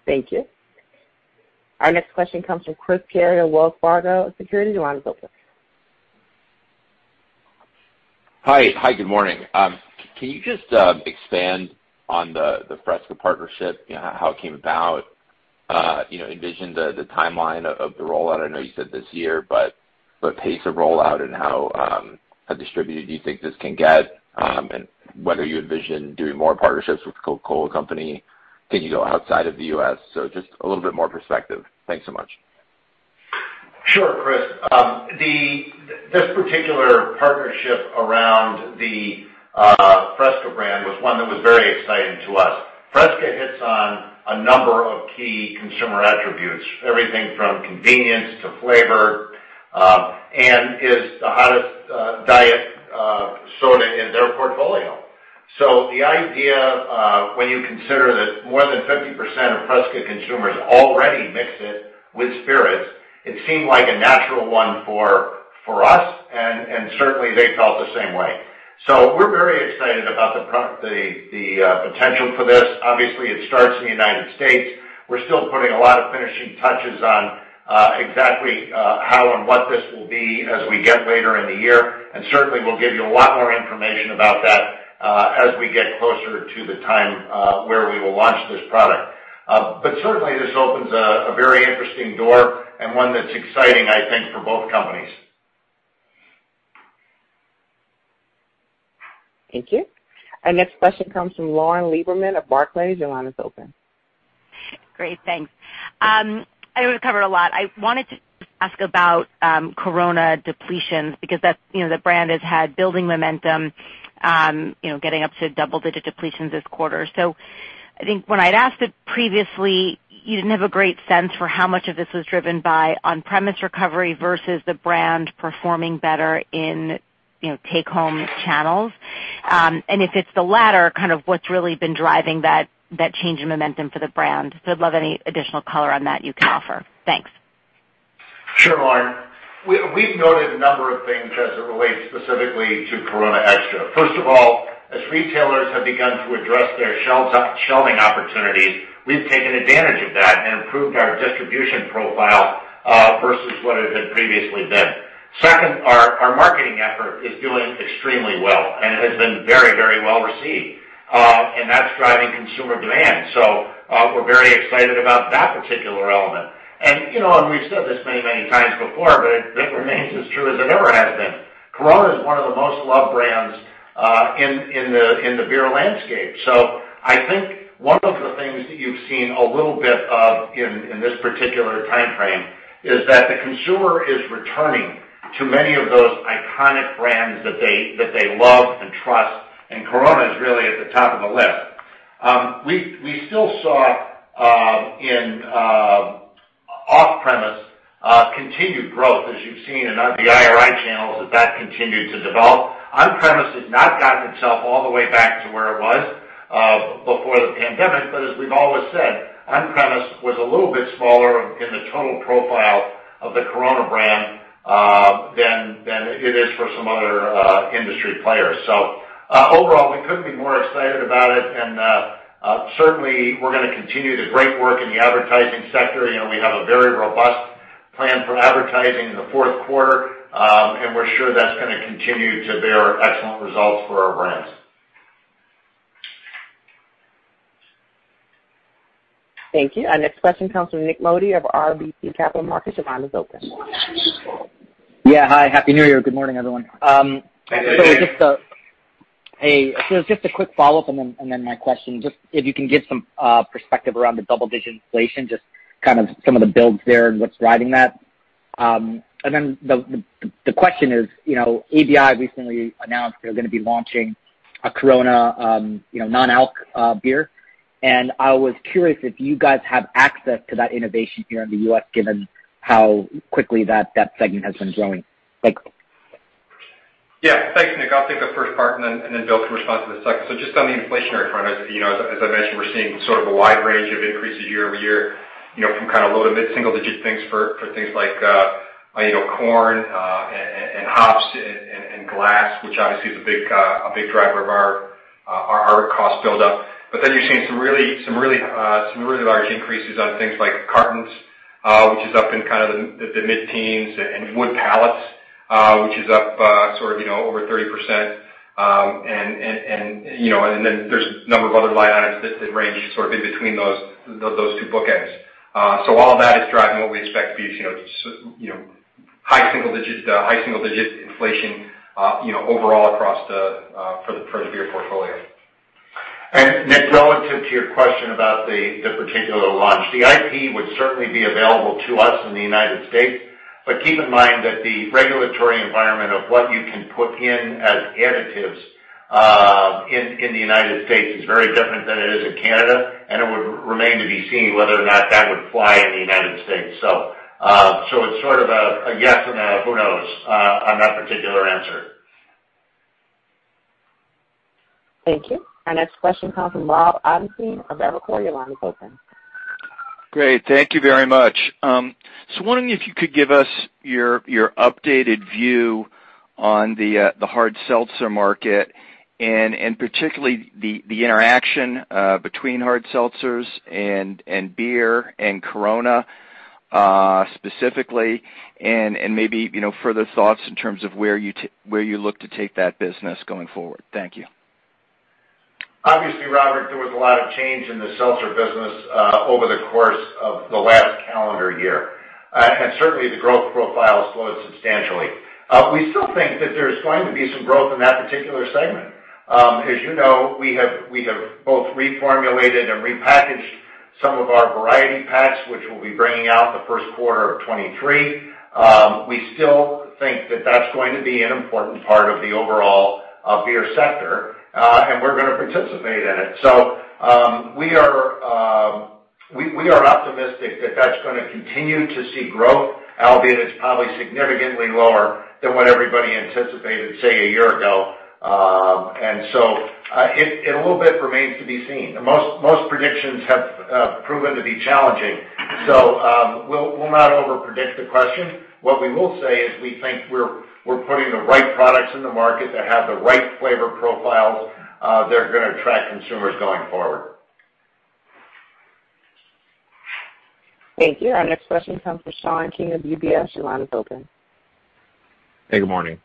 Thank you. Our next question comes from Chris Carey, Wells Fargo Securities. Your line is open. Hi. Hi, good morning. Can you just expand on the FRESCA partnership? You know, how it came about. You know, envision the timeline of the rollout. I know you said this year, but pace of rollout and how distributed do you think this can get, and whether you envision doing more partnerships with Coca-Cola Company? Can you go outside of the U.S.? Just a little bit more perspective. Thanks so much. Sure, Chris. This particular partnership around the FRESCA brand was 1 that was very exciting to us. FRESCA hits on a number of key consumer attributes, everything from convenience to flavor, and is the hottest diet soda in their portfolio. The idea, when you consider that more than 50% of FRESCA consumers already mix it with spirits, it seemed like a natural one for us and certainly they felt the same way. We're very excited about the potential for this. Obviously, it starts in the United States. We're still putting a lot of finishing touches on exactly how and what this will be as we get later in the year. Certainly we'll give you a lot more information about that, as we get closer to the time, where we will launch this product. Certainly this opens a very interesting door and one that's exciting, I think, for both companies. Thank you. Our next question comes from Lauren Lieberman of Barclays. Your line is open. Great, thanks. I know we've covered a lot. I wanted to ask about Corona depletions because that's, you know, the brand has had building momentum, you know, getting up to double-digit depletions this quarter. I think when I'd asked it previously, you didn't have a great sense for how much of this was driven by on-premise recovery versus the brand performing better in, you know, take-home channels. If it's the latter, kind of what's really been driving that change in momentum for the brand. I'd love any additional color on that you can offer. Thanks. Sure, Lauren. We've noted a number of things as it relates specifically to Corona Extra. 1st of all, as retailers have begun to address their shelves, shelving opportunities, we've taken advantage of that and improved our distribution profile versus what it had previously been. Second, our marketing effort is doing extremely well and has been very, very well received. And that's driving consumer demand. We're very excited about that particular element. You know, and we've said this many, many times before, but it remains as true as it ever has been. Corona is one of the most loved brands in the beer landscape. I think one of the things that you've seen a little bit of in this particular timeframe is that the consumer is returning to many of those iconic brands that they love and trust, and Corona is really at the top of the list. We still saw in off-premise continued growth, as you've seen in the IRI channels, that continued to develop. On-premise has not gotten itself all the way back to where it was before the pandemic, but as we've always said, on-premise was a little bit smaller in the total profile of the Corona brand than it is for some other industry players. Overall, we couldn't be more excited about it. Certainly we're going to continue the great work in the advertising sector. You know, we have a very robust plan for advertising in the Q4, and we're sure that's gonna continue to bear excellent results for our brands. Thank you. Our next question comes from Nik Modi of RBC Capital Markets. Your line is open. Yeah. Hi. Happy New Year. Good morning, everyone. Happy New Year. Just a quick follow-up and then my question, just if you can give some perspective around the double-digit inflation, just kind of some of the builds there and what's driving that. And then the question is, you know, ABI recently announced they're gonna be launching a Corona, you know, non-alc beer. I was curious if you guys have access to that innovation here in the U.S., given how quickly that segment has been growing. Thanks. Yeah. Thanks, Nik. I'll take the 1st part and then Bill can respond to the second. Just on the inflationary front, as you know, as I mentioned, we're seeing sort of a wide range of increases year-over-year, you know, from kind of low- to mid-single-digit things for things like corn, and hops and glass, which obviously is a big driver of our cost buildup. But then you're seeing some really large increases on things like cartons, which is up in kind of the mid-teens and wood pallets, which is up sort of, you know, over 30%. Then there's a number of other line items that range sort of in between those two bookends. All of that is driving what we expect to be, you know, high single digits, you know, overall across the beer portfolio. Nik, relative to your question about the particular launch, the IP would certainly be available to us in the United States, but keep in mind that the regulatory environment of what you can put in as additives in the United States is very different than it is in Canada, and it would remain to be seen whether or not that would fly in the United States. So it's sort of a yes and a who knows on that particular answer. Thank you. Our next question comes from Robert Ottenstein of Evercore. Your line is open. Great. Thank you very much. Wondering if you could give us your updated view on the hard seltzer market, and particularly the interaction between hard seltzers and beer and Corona specifically, and maybe, you know, further thoughts in terms of where you look to take that business going forward. Thank you. Obviously, Robert, there was a lot of change in the seltzer business over the course of the last calendar year. Certainly, the growth profile has slowed substantially. We still think that there's going to be some growth in that particular segment. As you know, we have both reformulated and repackaged some of our variety packs, which we'll be bringing out in the first quarter of 2023. We still think that that's going to be an important part of the overall beer sector and we're gonna participate in it. We are optimistic that that's gonna continue to see growth, albeit it's probably significantly lower than what everybody anticipated, say, a year ago. It a little bit remains to be seen. Most predictions have proven to be challenging. We'll not over-predict the question. What we will say is we think we're putting the right products in the market that have the right flavor profiles that are gonna attract consumers going forward. Thank you. Our next question comes from Sean King of UBS. Your line is open. Hey, good morning.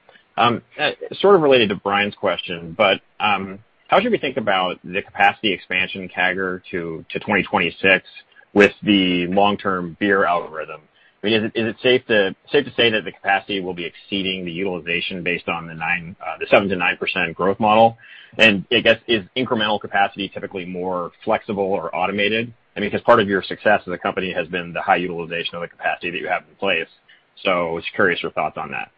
Sort of related to Brian's question, but how should we think about the capacity expansion CAGR to 2026 with the long-term beer algorithm? I mean, is it safe to say that the capacity will be exceeding the utilization based on the 7% to 9% growth model? And I guess, is incremental capacity typically more flexible or automated? I mean, 'cause part of your success as a company has been the high utilization of the capacity that you have in place. So I was curious your thoughts on that.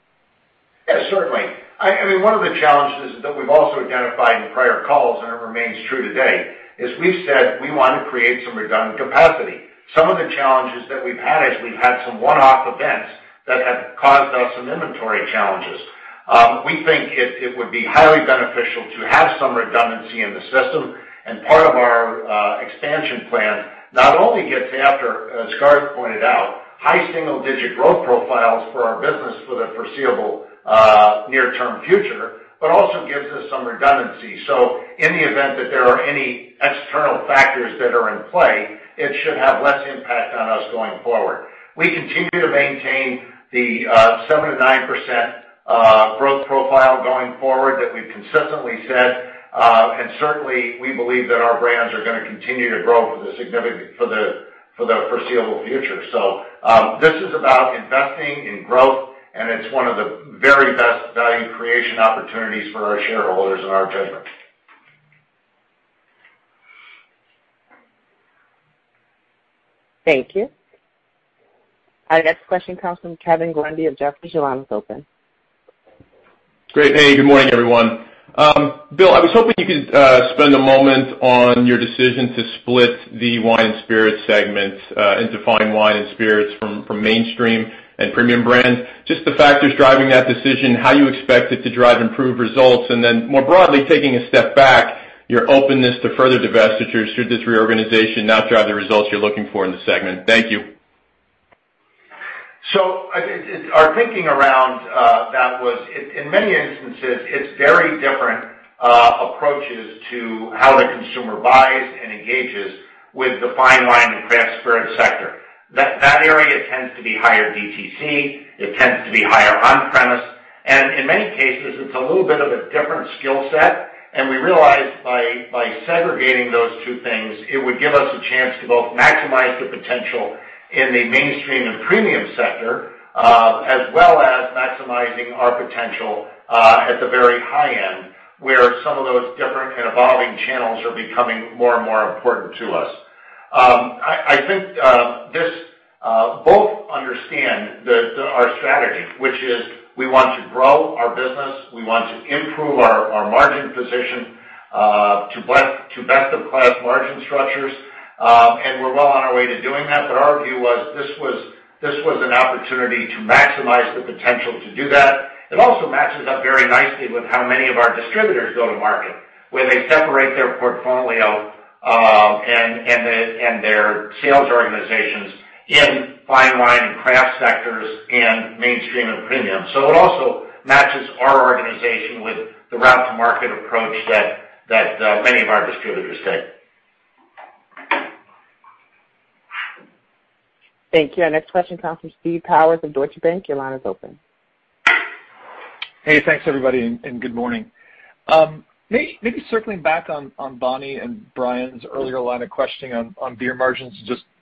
Yeah, certainly. I mean, one of the challenges that we've also identified in prior calls, and it remains true today, is we've said we wanna create some redundant capacity. Some of the challenges that we've had is we've had some one-off events that have caused us some inventory challenges. We think it would be highly beneficial to have some redundancy in the system. Part of our expansion plan not only gets after, as Garth pointed out, high single-digit growth profiles for our business for the foreseeable near-term future, but also gives us some redundancy. In the event that there are any external factors that are in play, it should have less impact on us going forward. We continue to maintain the 7% to 9% growth profile going forward that we've consistently said, and certainly we believe that our brands are gonna continue to grow for the foreseeable future. This is about investing in growth, and it's one of the very best value creation opportunities for our shareholders in our judgment. Thank you. Our next question comes from Kevin Grundy of Jefferies. Your line is open. Great. Hey, good morning, everyone. Bill, I was hoping you could spend a moment on your decision to split the wine and spirits segment, and define wine and spirits from mainstream and premium brands. Just the factors driving that decision, how you expect it to drive improved results, and then more broadly, taking a step back, your openness to further divestitures should this reorganization not drive the results you're looking for in the segment. Thank you. I think it's our thinking around that was in many instances it is very different approaches to how the consumer buys and engages with the fine wine and craft spirits sector. That area tends to be higher DTC, it tends to be higher on-premise, and in many cases, it's a little bit of a different skill set. We realized by segregating those 2 things, it would give us a chance to both maximize the potential in the mainstream and premium sector as well as maximizing our potential at the very high end, where some of those different and evolving channels are becoming more and more important to us. I think this both understand our strategy, which is we want to grow our business. We want to improve our margin position to best of class margin structures. We're well on our way to doing that, but our view was this was an opportunity to maximize the potential to do that. It also matches up very nicely with how many of our distributors go to market, where they separate their portfolio and their sales organizations in fine wine and craft sectors and mainstream and premium. It also matches our organization with the route to market approach that many of our distributors take. Thank you. Our next question comes from Steve Powers of Deutsche Bank. Your line is open. Hey, thanks, everybody, and good morning. Maybe circling back on Bonnie and Bryan's earlier line of questioning on beer margins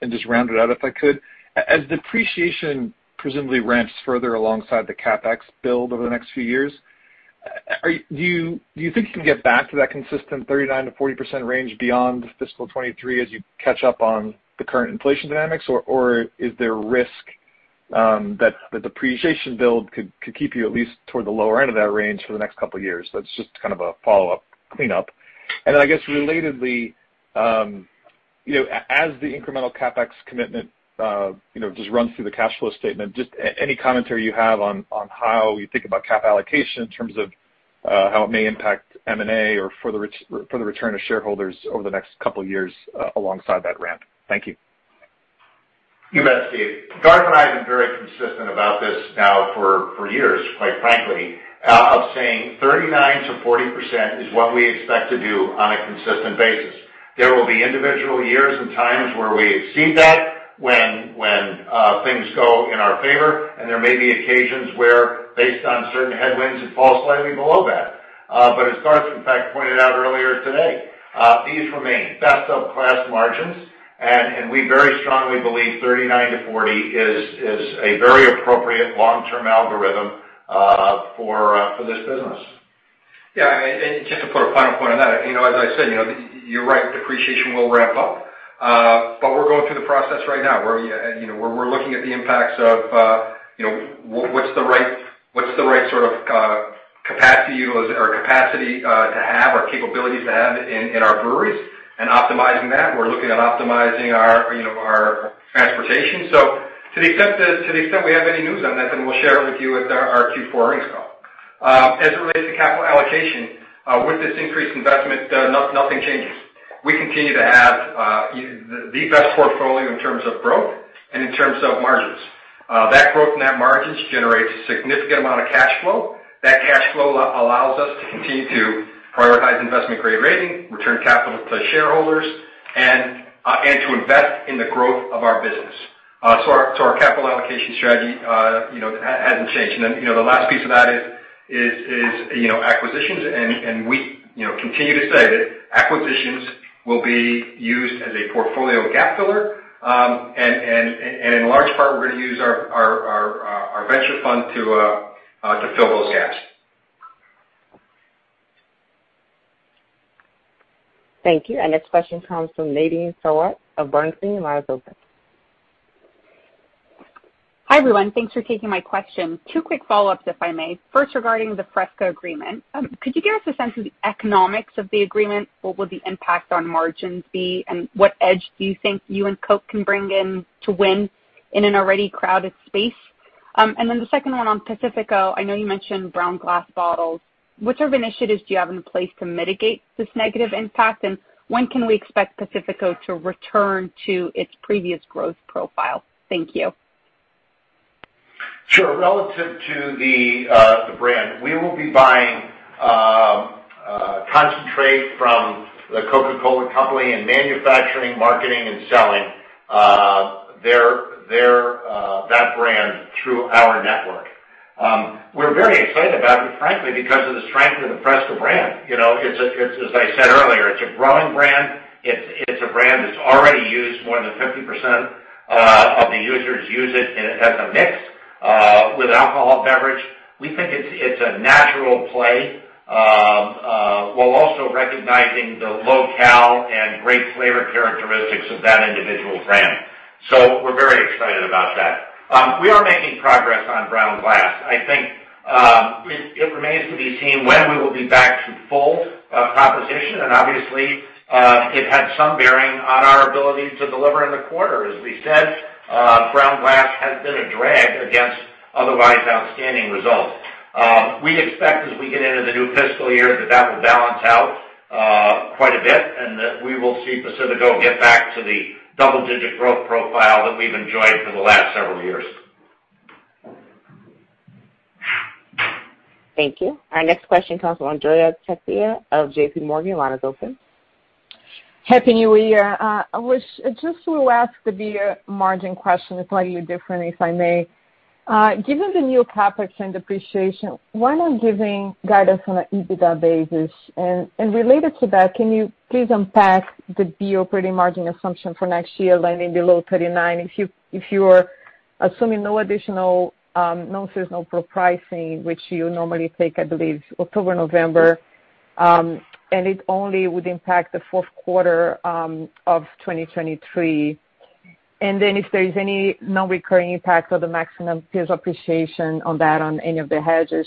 and just round it out, if I could. As depreciation presumably ramps further alongside the CapEx build over the next few years, do you think you can get back to that consistent 39% to 40% range beyond fiscal 2023 as you catch up on the current inflation dynamics? Or is there risk that the depreciation build could keep you at least toward the lower end of that range for the next couple years? That's just kind of a follow-up cleanup. I guess relatedly, you know, as the incremental CapEx commitment, you know, just runs through the cash flow statement, just any commentary you have on how you think about cap allocation in terms of how it may impact M&A or for the return to shareholders over the next couple years, alongside that ramp? Thank you. You bet, Steve. Garth and I have been very consistent about this now for years, quite frankly, of saying 39% to 40% is what we expect to do on a consistent basis. There will be individual years and times where we exceed that when things go in our favor, and there may be occasions where based on certain headwinds, it falls slightly below that. As Garth, in fact, pointed out earlier today, these remain best of class margins, and we very strongly believe 39%-40% is a very appropriate long-term algorithm for this business. Yeah. Just to put a final point on that, you know, as I said, you know, you're right, depreciation will ramp up. We're going through the process right now, where, you know, we're looking at the impacts of, you know, what's the right sort of, capacity to have, or capabilities to have in our breweries and optimizing that. We're looking at optimizing our, you know, our transportation. To the extent we have any news on that, then we'll share it with you at our Q4 earnings call. As it relates to capital allocation, with this increased investment, nothing changes. We continue to have the best portfolio in terms of growth and in terms of margins. That growth in margins generates a significant amount of cash flow. That cash flow allows us to continue to prioritize investment-grade rating, return capital to shareholders, and to invest in the growth of our business. Our capital allocation strategy, you know, hasn't changed. You know, the last piece of that is acquisitions and we, you know, continue to say that acquisitions will be used as a portfolio gap filler. In large part, we're gonna use our venture fund to fill those gaps. Thank you. Our next question comes from Nadine Sarwat of Bernstein. Your line is open. Hi, everyone. Thanks for taking my question. Two quick follow-ups, if I may. 1st, regarding the FRESCA agreement, could you give us a sense of the economics of the agreement? What will the impact on margins be, and what edge do you think you and Coke can bring in to win in an already crowded space? And then the second one on Pacifico, I know you mentioned brown glass bottles. What sort of initiatives do you have in place to mitigate this negative impact? And when can we expect Pacifico to return to its previous growth profile? Thank you. Sure. Relative to the brand, we will be buying concentrate from the Coca-Cola Company and manufacturing, marketing, and selling that brand through our network. We're very excited about it, frankly, because of the strength of the Fresca brand. You know, it's as I said earlier, it's a growing brand. It's a brand that's already used by more than 50% of the users use it, and it has a mix with alcoholic beverage. We think it's a natural play while also recognizing the low-cal and great flavor characteristics of that individual brand. We're very excited about that. We are making progress on brown glass. I think it remains to be seen when we will be back to full composition. Obviously, it had some bearing on our ability to deliver in the quarter. As we said, brown glass has been a drag against otherwise outstanding results. We expect as we get into the new fiscal year that that will balance out quite a bit, and that we will see Pacifico get back to the double-digit growth profile that we've enjoyed for the last several years. Thank you. Our next question comes from Andrea Teixeira of JP Morgan. Your line is open. Happy New Year. Just to ask the beer margin question slightly different, if I may. Given the new CapEx and depreciation, why not giving guidance on an EBITDA basis? Related to that, can you please unpack the beer operating margin assumption for next year landing below 39%? If you are assuming no additional non-seasonal price increases, which you normally take, I believe, October, November, and it only would impact the Q4 of 2023. Then if there is any non-recurring impact or the maximum price appreciation on any of the hedges.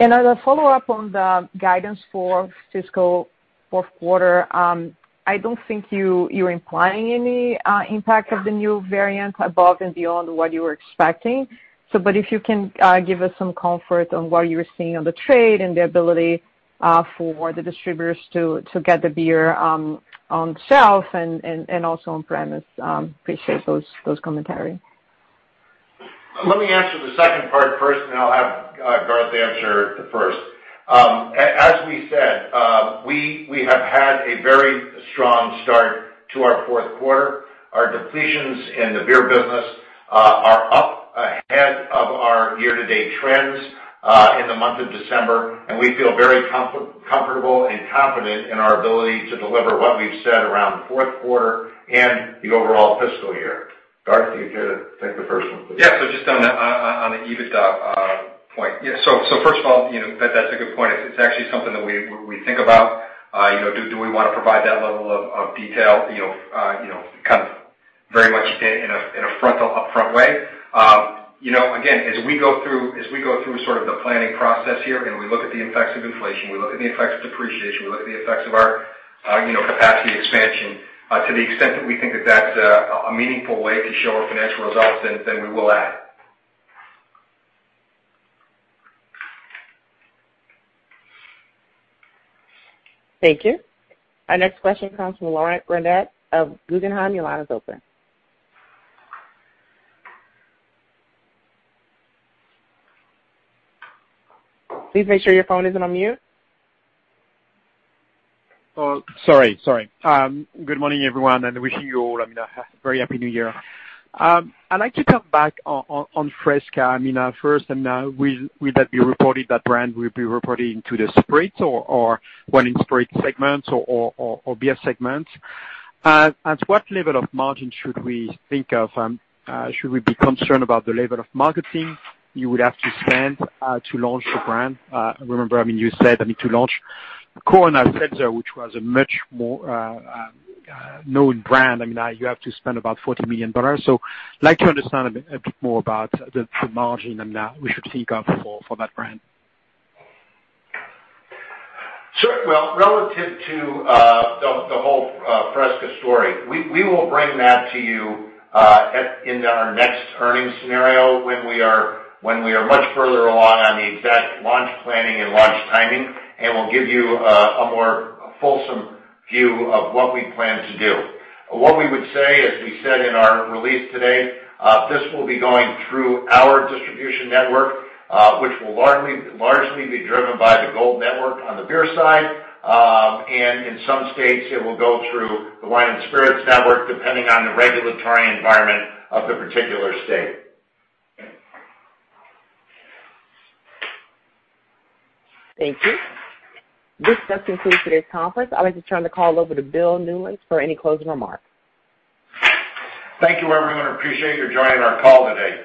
As a follow-up on the guidance for fiscal Q4, I don't think you're implying any impact of the new variant above and beyond what you were expecting. If you can give us some comfort on what you're seeing on the trade and the ability for the distributors to get the beer on the shelf and also on premise, appreciate those commentary. Let me answer the 2nd part 1st, and then I'll have Garth answer the first. As we said, we have had a very strong start to our Q4. Our depletions in the beer business are up ahead of our year-to-date trends in the month of December, and we feel very comfortable and confident in our ability to deliver what we've said around Q4 and the overall fiscal year. Garth, are you good to take the first one, please? Yeah. Just on the EBITDA point. Yeah. First of all, you know, that's a good point. It's actually something that we think about. You know, do we want to provide that level of detail, you know, kind of very much in a frontal, upfront way? You know, again, as we go through sort of the planning process here and we look at the effects of inflation, we look at the effects of depreciation, we look at the effects of our capacity expansion, to the extent that we think that that's a meaningful way to show our financial results, then we will add. Thank you. Our next question comes from Laurent Grandet of Guggenheim. Your line is open. Please make sure your phone isn't on mute. Sorry. Good morning, everyone, and wishing you all, I mean, a very happy New Year. I'd like to come back on FRESCA. I mean, first, will that be reported? That brand will be reported into the spirits or wine and spirits segment or beer segment? At what level of margin should we think? Should we be concerned about the level of marketing you would have to spend to launch the brand? Remember, I mean, you said, I mean, to launch Corona Hard Seltzer, which was a much more known brand, I mean, you have to spend about $40 million. Like to understand a bit more about the margin and we should think of for that brand. Sure. Well, relative to the whole FRESCA story, we will bring that to you in our next earnings scenario when we are much further along on the exact launch planning and launch timing, and we'll give you a more fulsome view of what we plan to do. What we would say, as we said in our release today, this will be going through our distribution network, which will largely be driven by the Gold Network on the beer side. In some states, it will go through the wine and spirits network, depending on the regulatory environment of the particular state. Thank you. This does conclude today's conference. I'd like to turn the call over to Bill Newlands for any closing remarks. Thank you, everyone. Appreciate your joining our call today.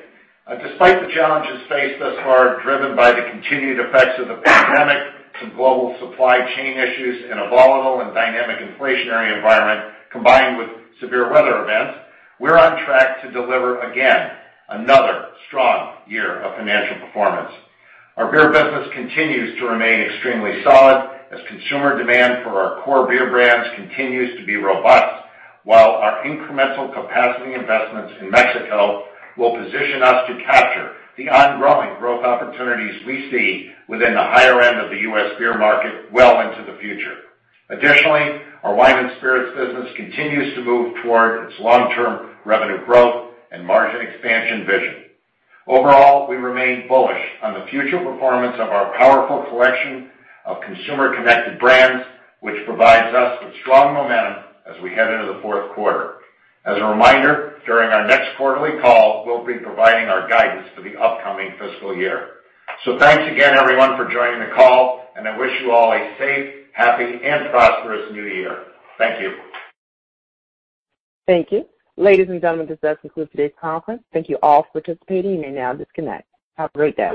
Despite the challenges faced thus far, driven by the continued effects of the pandemic, some global supply chain issues in a volatile and dynamic inflationary environment, combined with severe weather events, we're on track to deliver again another strong year of financial performance. Our beer business continues to remain extremely solid as consumer demand for our core beer brands continues to be robust, while our incremental capacity investments in Mexico will position us to capture the ongoing growth opportunities we see within the higher end of the U.S. beer market well into the future. Additionally, our wine and spirits business continues to move toward its long-term revenue growth and margin expansion vision. Overall, we remain bullish on the future performance of our powerful collection of consumer-connected brands, which provides us with strong momentum as we head into the Q4. As a reminder, during our next quarterly call, we'll be providing our guidance for the upcoming fiscal year. Thanks again, everyone, for joining the call, and I wish you all a safe, happy, and prosperous new year. Thank you. Thank you. Ladies and gentlemen, this does conclude today's conference. Thank you all for participating. You may now disconnect. Have a great day.